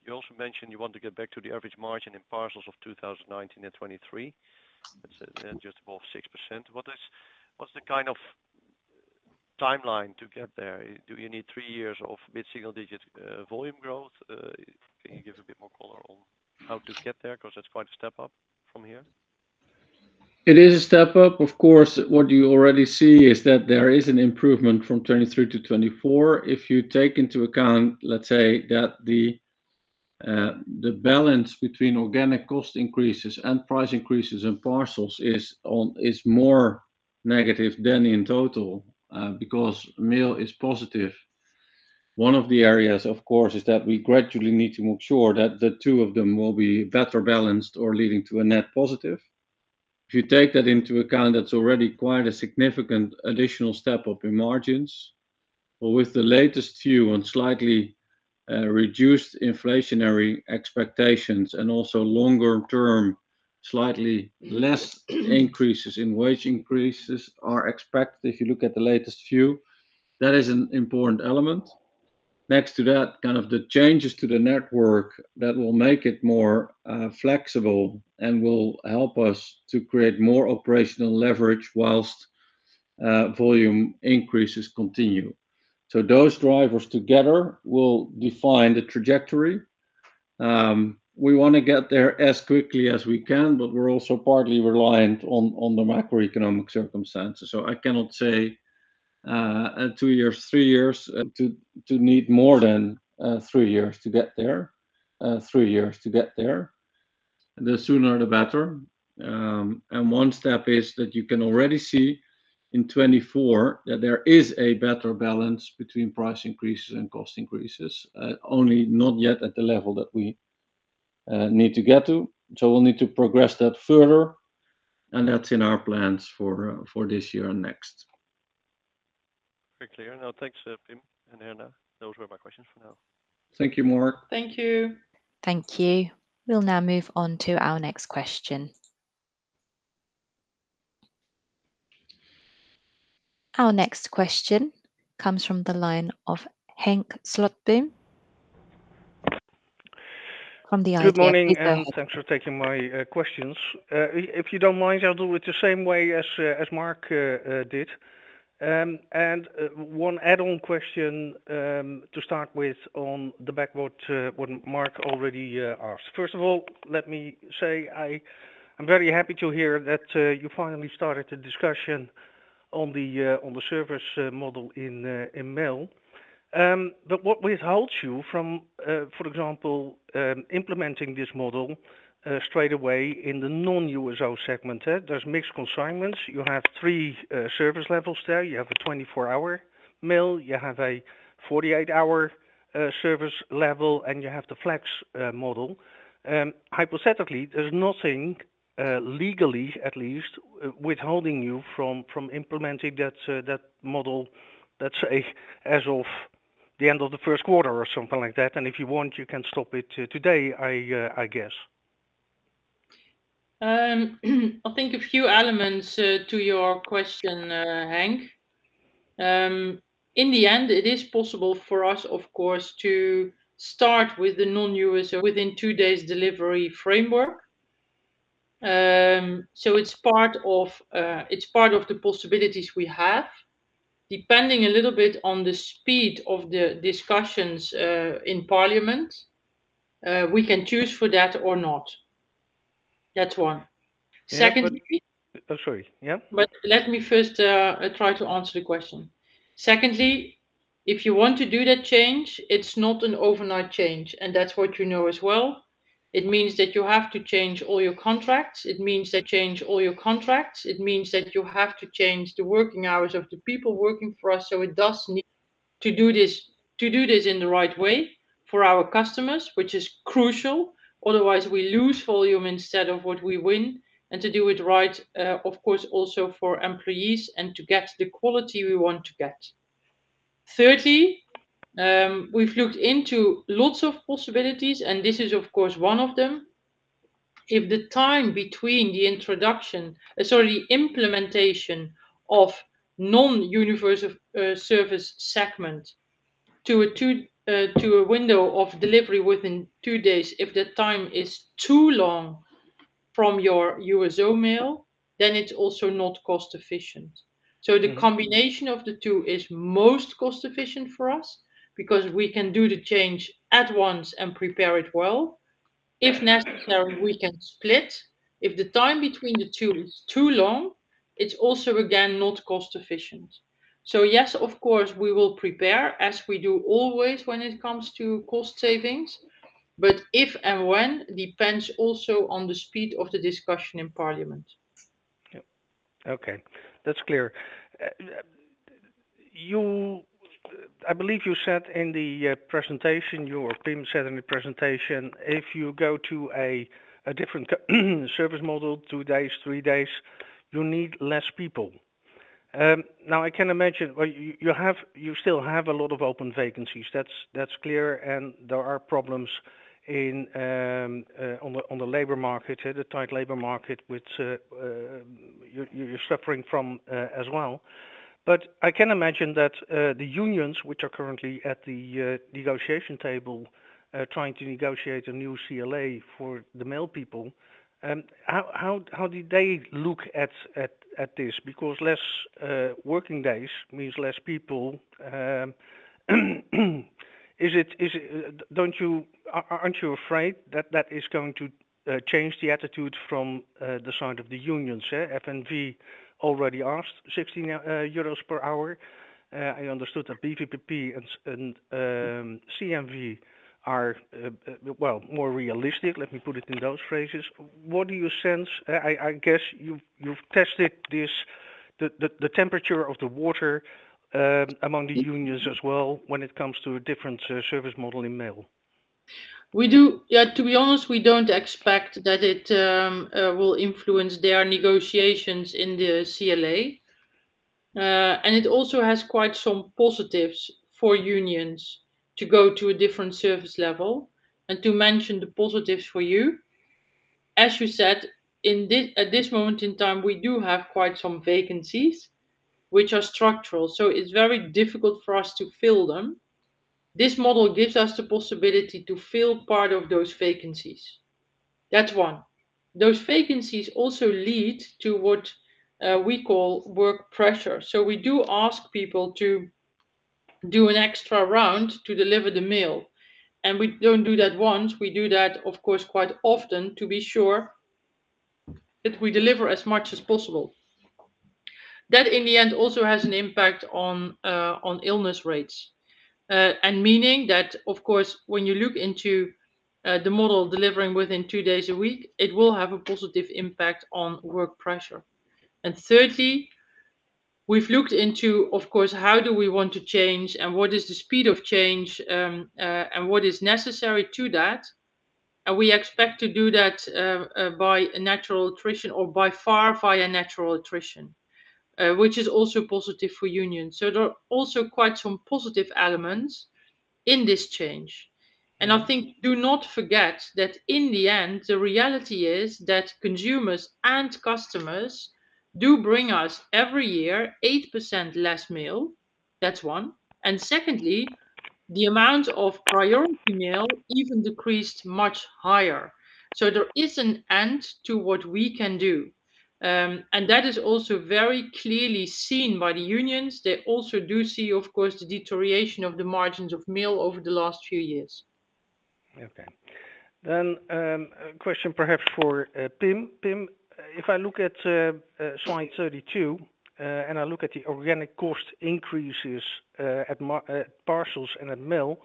you also mentioned you want to get back to the average margin in parcels of 2019 and 2023. That's just above 6%. What is. What's the kind of timeline to get there? Do you need three years of mid-single-digit volume growth? Can you give a bit more color on how to get there? 'Cause that's quite a step up from here. It is a step up, of course. What you already see is that there is an improvement from 2023 to 2024. If you take into account, let's say, that the balance between organic cost increases and price increases in parcels is on, is more negative than in total, because mail is positive. One of the areas, of course, is that we gradually need to make sure that the two of them will be better balanced or leading to a net positive. If you take that into account, that's already quite a significant additional step up in margins.. Well, with the latest view on slightly reduced inflationary expectations and also longer term, slightly less increases in wage increases are expected. If you look at the latest view, that is an important element. Next to that, kind of the changes to the network that will make it more flexible and will help us to create more operational leverage whilst volume increases continue. So those drivers together will define the trajectory. We wanna get there as quickly as we can, but we're also partly reliant on the macroeconomic circumstances. So I cannot say two years, three years to need more than three years to get there, three years to get there. The sooner, the better. One step is that you can already see in 2024 that there is a better balance between price increases and cost increases, only not yet at the level that we need to get to. So we'll need to progress that further, and that's in our plans for this year and next. Very clear. Now, thanks, Pim and Herna. Those were my questions for now. Thank you, Mark. Thank you. Thank you. We'll now move on to our next question. Our next question comes from the line of Henk Slotboom from The Idea. Good morning, everyone, and thanks for taking my questions. If you don't mind, I'll do it the same way as Mark did. One add-on question to start with on the back of what Mark already asked. First of all, let me say I'm very happy to hear that you finally started a discussion on the service model in Mail. But what withholds you from, for example, implementing this model straight away in the non-USO segment, eh? There's mixed consignments. You have three service levels there. You have a 24-hour mail, you have a 48-hour service level, and you have the flex model. Hypothetically, there's nothing legally, at least, withholding you from implementing that model, let's say, as of the end of the first quarter or something like that, and if you want, you can stop it today, I guess. I think a few elements to your question, Henk. In the end, it is possible for us, of course, to start with the non-USO within two days delivery framework. So it's part of the possibilities we have. Depending a little bit on the speed of the discussions in Parliament, we can choose for that or not. That's one. Secondly- Oh, sorry. Yeah? But let me first try to answer the question. Secondly, if you want to do that change, it's not an overnight change, and that's what you know as well. It means that you have to change all your contracts. It means that you have to change the working hours of the people working for us, so it does need to do this in the right way for our customers, which is crucial, otherwise we lose volume instead of what we win, and to do it right, of course, also for employees, and to get the quality we want to get. Thirdly, we've looked into lots of possibilities, and this is, of course, one of them. If the time between the introduction, sorry, implementation of non-universal service segment to a two, to a window of delivery within two days, if the time is too long from your USO mail, then it's also not cost efficient. Mm-hmm. So the combination of the two is most cost efficient for us because we can do the change at once and prepare it well. If necessary, we can split. If the time between the two is too long, it's also, again, not cost efficient. So yes, of course, we will prepare, as we do always when it comes to cost savings, but if and when, depends also on the speed of the discussion in parliament. Yep. Okay, that's clear. You, I believe you said in the presentation, you or Pim said in the presentation, if you go to a different service model, two days, three days, you need less people. Now, I can imagine, well, you still have a lot of open vacancies. That's clear, and there are problems in the labor market, the tight labor market, which you're suffering from as well. But I can imagine that the unions, which are currently at the negotiation table, trying to negotiate a new CLA for the mail people, how did they look at this? Because less working days means less people. Aren't you afraid that that is going to change the attitude from the side of the unions? FNV already asked 60 euros per hour. I understood that BVPP and CNV are well more realistic. Let me put it in those phrases. What do you sense? I guess you've tested the temperature of the water among the unions as well, when it comes to a different service model in mail? We do, yeah, to be honest, we don't expect that it will influence their negotiations in the CLA. And it also has quite some positives for unions to go to a different service level and to mention the positives for you. As you said, in this, at this moment in time, we do have quite some vacancies, which are structural, so it's very difficult for us to fill them. This model gives us the possibility to fill part of those vacancies. That's one. Those vacancies also lead to what we call work pressure. So we do ask people to do an extra round to deliver the mail, and we don't do that once, we do that, of course, quite often to be sure that we deliver as much as possible. That, in the end, also has an impact on illness rates. And meaning that, of course, when you look into the model delivering within two days a week, it will have a positive impact on work pressure. And thirdly, we've looked into, of course, how do we want to change and what is the speed of change, and what is necessary to that, and we expect to do that by natural attrition or by far via natural attrition, which is also positive for unions. So there are also quite some positive elements in this change. And I think do not forget that in the end, the reality is that consumers and customers do bring us, every year, 8% less mail. That's one, and secondly, the amount of priority mail even decreased much higher. So there is an end to what we can do. That is also very clearly seen by the unions. They also do see, of course, the deterioration of the margins of mail over the last few years. Okay. Then, a question perhaps for Pim. Pim, if I look at slide 32 and I look at the organic cost increases at parcels and at mail,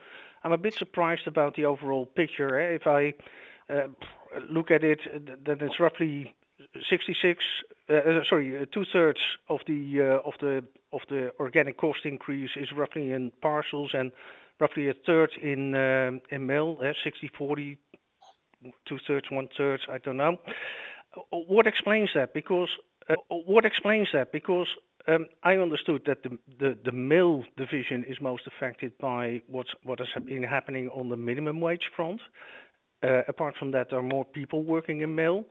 I'm a bit surprised about the overall picture. If I look at it, then it's roughly two-thirds of the organic cost increase is roughly in parcels and roughly a third in mail, 60/40, two-thirds, one-third, I don't know. What explains that? Because. What explains that? Because, I understood that the mail division is most affected by what's happened on the minimum wage front. Apart from that, there are more people working in mail.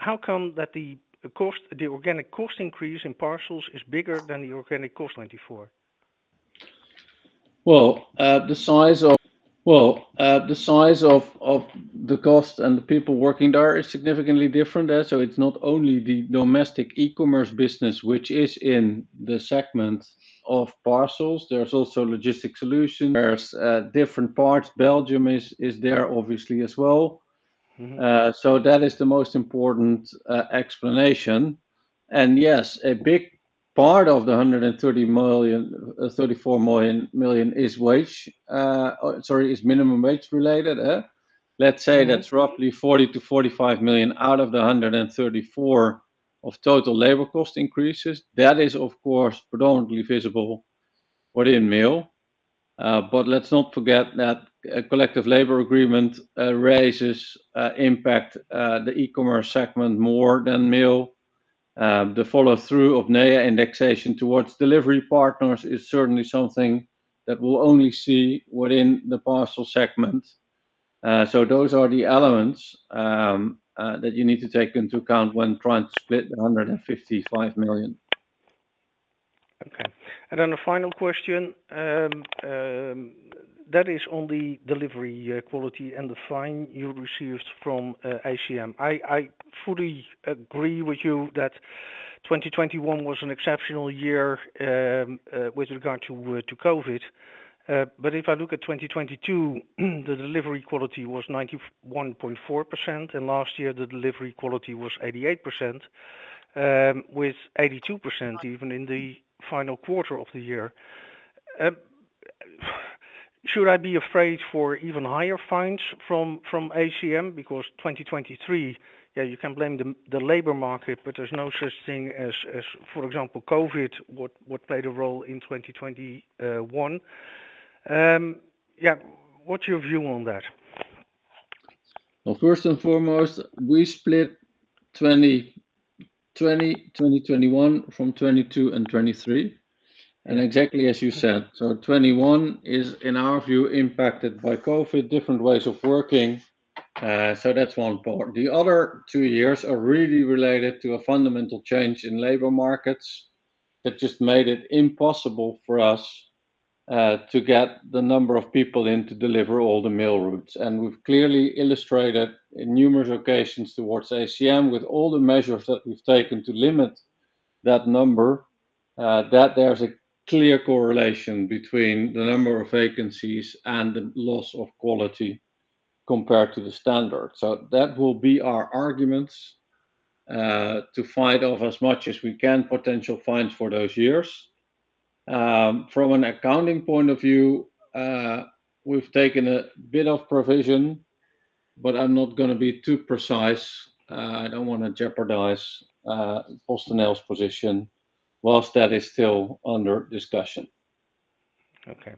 How come that the cost, the organic cost increase in parcels is bigger than the organic cost, 94? Well, the size of the cost and the people working there is significantly different. So it's not only the domestic e-commerce business which is in the segment of parcels, there's also logistics solutions. There's different parts. Belgium is there obviously as well. Mm-hmm. So that is the most important explanation. And yes, a big part of the EUR 134 million is minimum wage-related. Let's say- Mm-hmm that's roughly 40 million-45 million out of the 134 million of total labor cost increases. That is, of course, predominantly visible within mail. But let's not forget that a collective labor agreement raises impact the e-commerce segment more than mail. The follow-through of NEA indexation towards delivery partners is certainly something that we'll only see within the parcel segment. So those are the elements that you need to take into account when trying to split the 155 million. Okay, and then the final question that is on the delivery quality and the fine you received from ACM. I fully agree with you that 2021 was an exceptional year with regard to COVID. But if I look at 2022, the delivery quality was 91.4%, and last year the delivery quality was 88%, with 82% even in the final quarter of the year. Should I be afraid for even higher fines from ACM? Because 2023, yeah, you can blame the labor market, but there's no such thing as, for example, COVID, what played a role in 2021. Yeah, what's your view on that? Well, first and foremost, we split 2020, 2021 from 2022 and 2023, and exactly as you said, so 2021 is, in our view, impacted by COVID, different ways of working, so that's one part. The other two years are really related to a fundamental change in labor markets that just made it impossible for us to get the number of people in to deliver all the mail routes. And we've clearly illustrated in numerous occasions towards ACM, with all the measures that we've taken to limit that number, that there's a clear correlation between the number of vacancies and the loss of quality compared to the standard. So that will be our arguments to fight off as much as we can, potential fines for those years. From an accounting point of view, we've taken a bit of provision, but I'm not gonna be too precise. I don't want to jeopardize PostNL's position while that is still under discussion. Okay.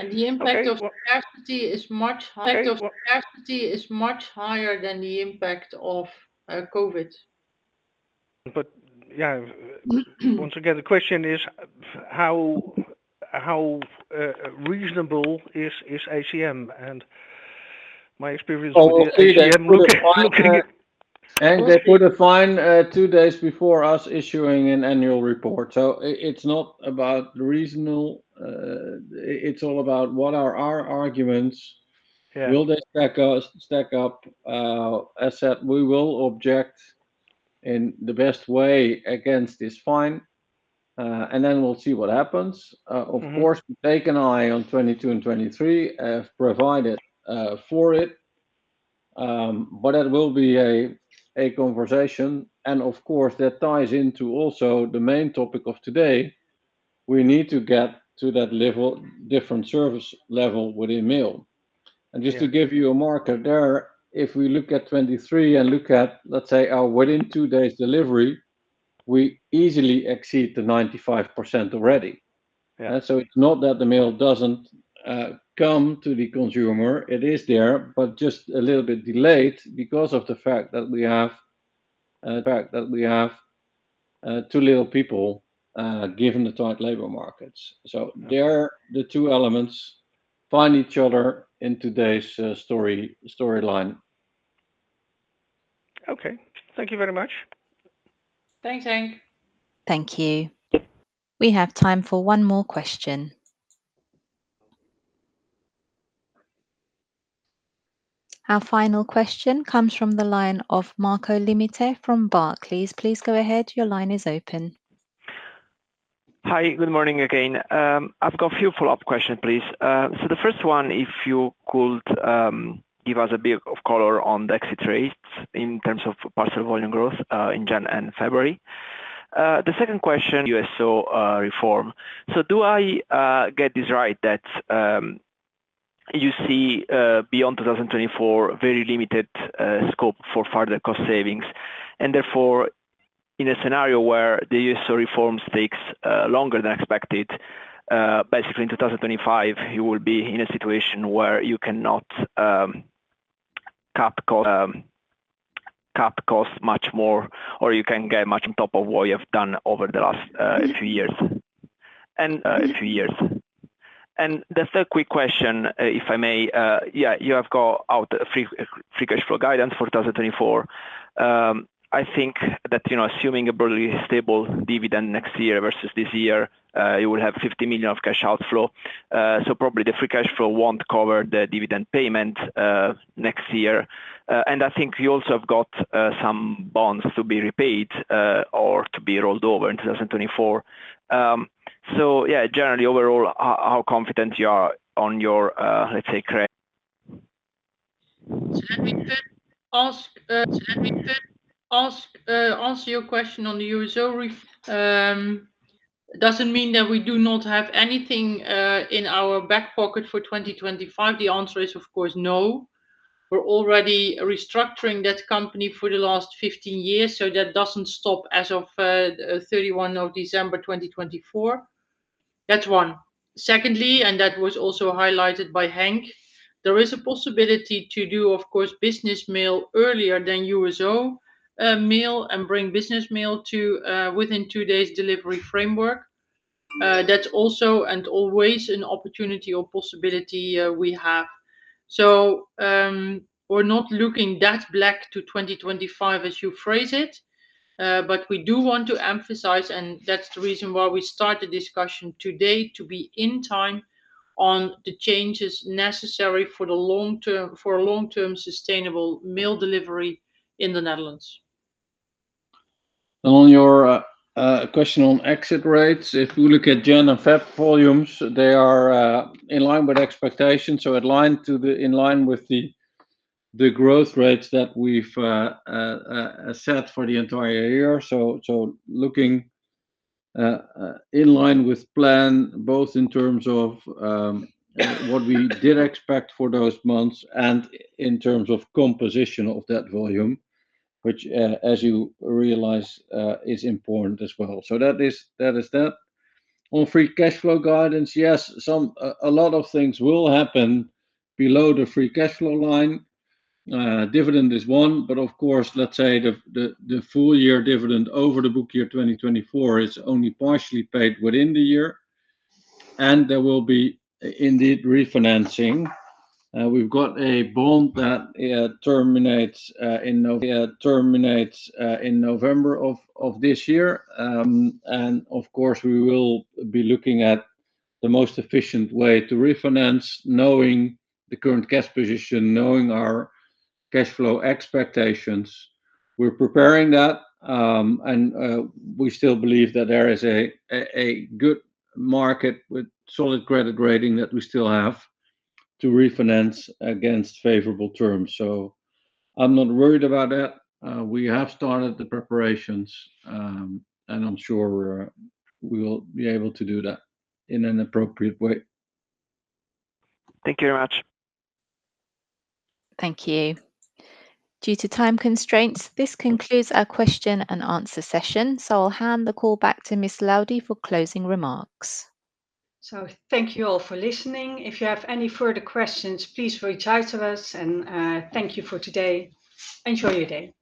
The impact of- Okay, well- Poverty is much higher, the impact of poverty is much higher than the impact of COVID. But, yeah, once again, the question is, how reasonable is ACM? And my experience with ACM- They put a fine two days before us issuing an annual report. It's not about reasonable. It's all about what are our arguments? Yeah. Will they stack us, stack up? As said, we will object in the best way against this fine, and then we'll see what happens. Mm-hmm. Of course, we keep an eye on 2022 and 2023, have provided for it. But that will be a conversation, and of course, that ties into also the main topic of today. We need to get to that level, different service level with mail. Yeah. Just to give you a marker there, if we look at 2023 and look at, let's say, our within 2 days delivery, we easily exceed the 95% already. Yeah. So it's not that the mail doesn't come to the consumer. It is there, but just a little bit delayed because of the fact that we have too little people given the tight labor markets. Yeah. So there, the two elements find each other in today's story, storyline. Okay. Thank you very much. Thanks, Henk. Thank you. We have time for one more question. Our final question comes from the line of Marco Limite from Barclays. Please go ahead. Your line is open. Hi, good morning again. I've got a few follow-up questions, please. So the first one, if you could, give us a bit of color on the exit rates in terms of parcel volume growth, in January and February. The second question, USO reform. So do I get this right, that you see beyond 2024, very limited scope for further cost savings, and therefore, in a scenario where the USO reforms takes longer than expected, basically in 2025, you will be in a situation where you cannot cap cost much more, or you can get much on top of what you have done over the last few years? And few years. The third quick question, if I may, yeah, you have got out a free cash flow guidance for 2024. I think that, you know, assuming a broadly stable dividend next year versus this year, you will have 50 million of cash outflow. So probably the free cash flow won't cover the dividend payment next year. And I think you also have got some bonds to be repaid or to be rolled over in 2024. So yeah, generally, overall, how confident you are on your, let's say, credit? So let me then ask, answer your question on the USO. Doesn't mean that we do not have anything in our back pocket for 2025. The answer is, of course, no. We're already restructuring that company for the last 15 years, so that doesn't stop as of December 31, 2024. That's one. Secondly, and that was also highlighted by Henk, there is a possibility to do, of course, business mail earlier than USO mail, and bring business mail to within two days delivery framework. That's also and always an opportunity or possibility we have. We're not looking that black to 2025, as you phrase it, but we do want to emphasize, and that's the reason why we start the discussion today, to be in time on the changes necessary for the long-term. for a long-term, sustainable mail delivery in the Netherlands. On your question on exit rates, if we look at January and February volumes, they are in line with expectations, so in line with the growth rates that we've set for the entire year. So looking in line with plan, both in terms of what we did expect for those months and in terms of composition of that volume, which as you realize is important as well. So that is that. On free cash flow guidance, yes, a lot of things will happen below the free cash flow line. Dividend is one, but of course, let's say the full year dividend over the book year 2024 is only partially paid within the year, and there will be indeed refinancing. We've got a bond that terminates in November of this year. Of course, we will be looking at the most efficient way to refinance, knowing the current cash position, knowing our cash flow expectations. We're preparing that, and we still believe that there is a good market with solid credit rating that we still have to refinance against favorable terms. So I'm not worried about that. We have started the preparations, and I'm sure we will be able to do that in an appropriate way. Thank you very much. Thank you. Due to time constraints, this concludes our question and answer session, so I'll hand the call back to Ms. Laudy for closing remarks. Thank you all for listening. If you have any further questions, please reach out to us, and thank you for today. Enjoy your day.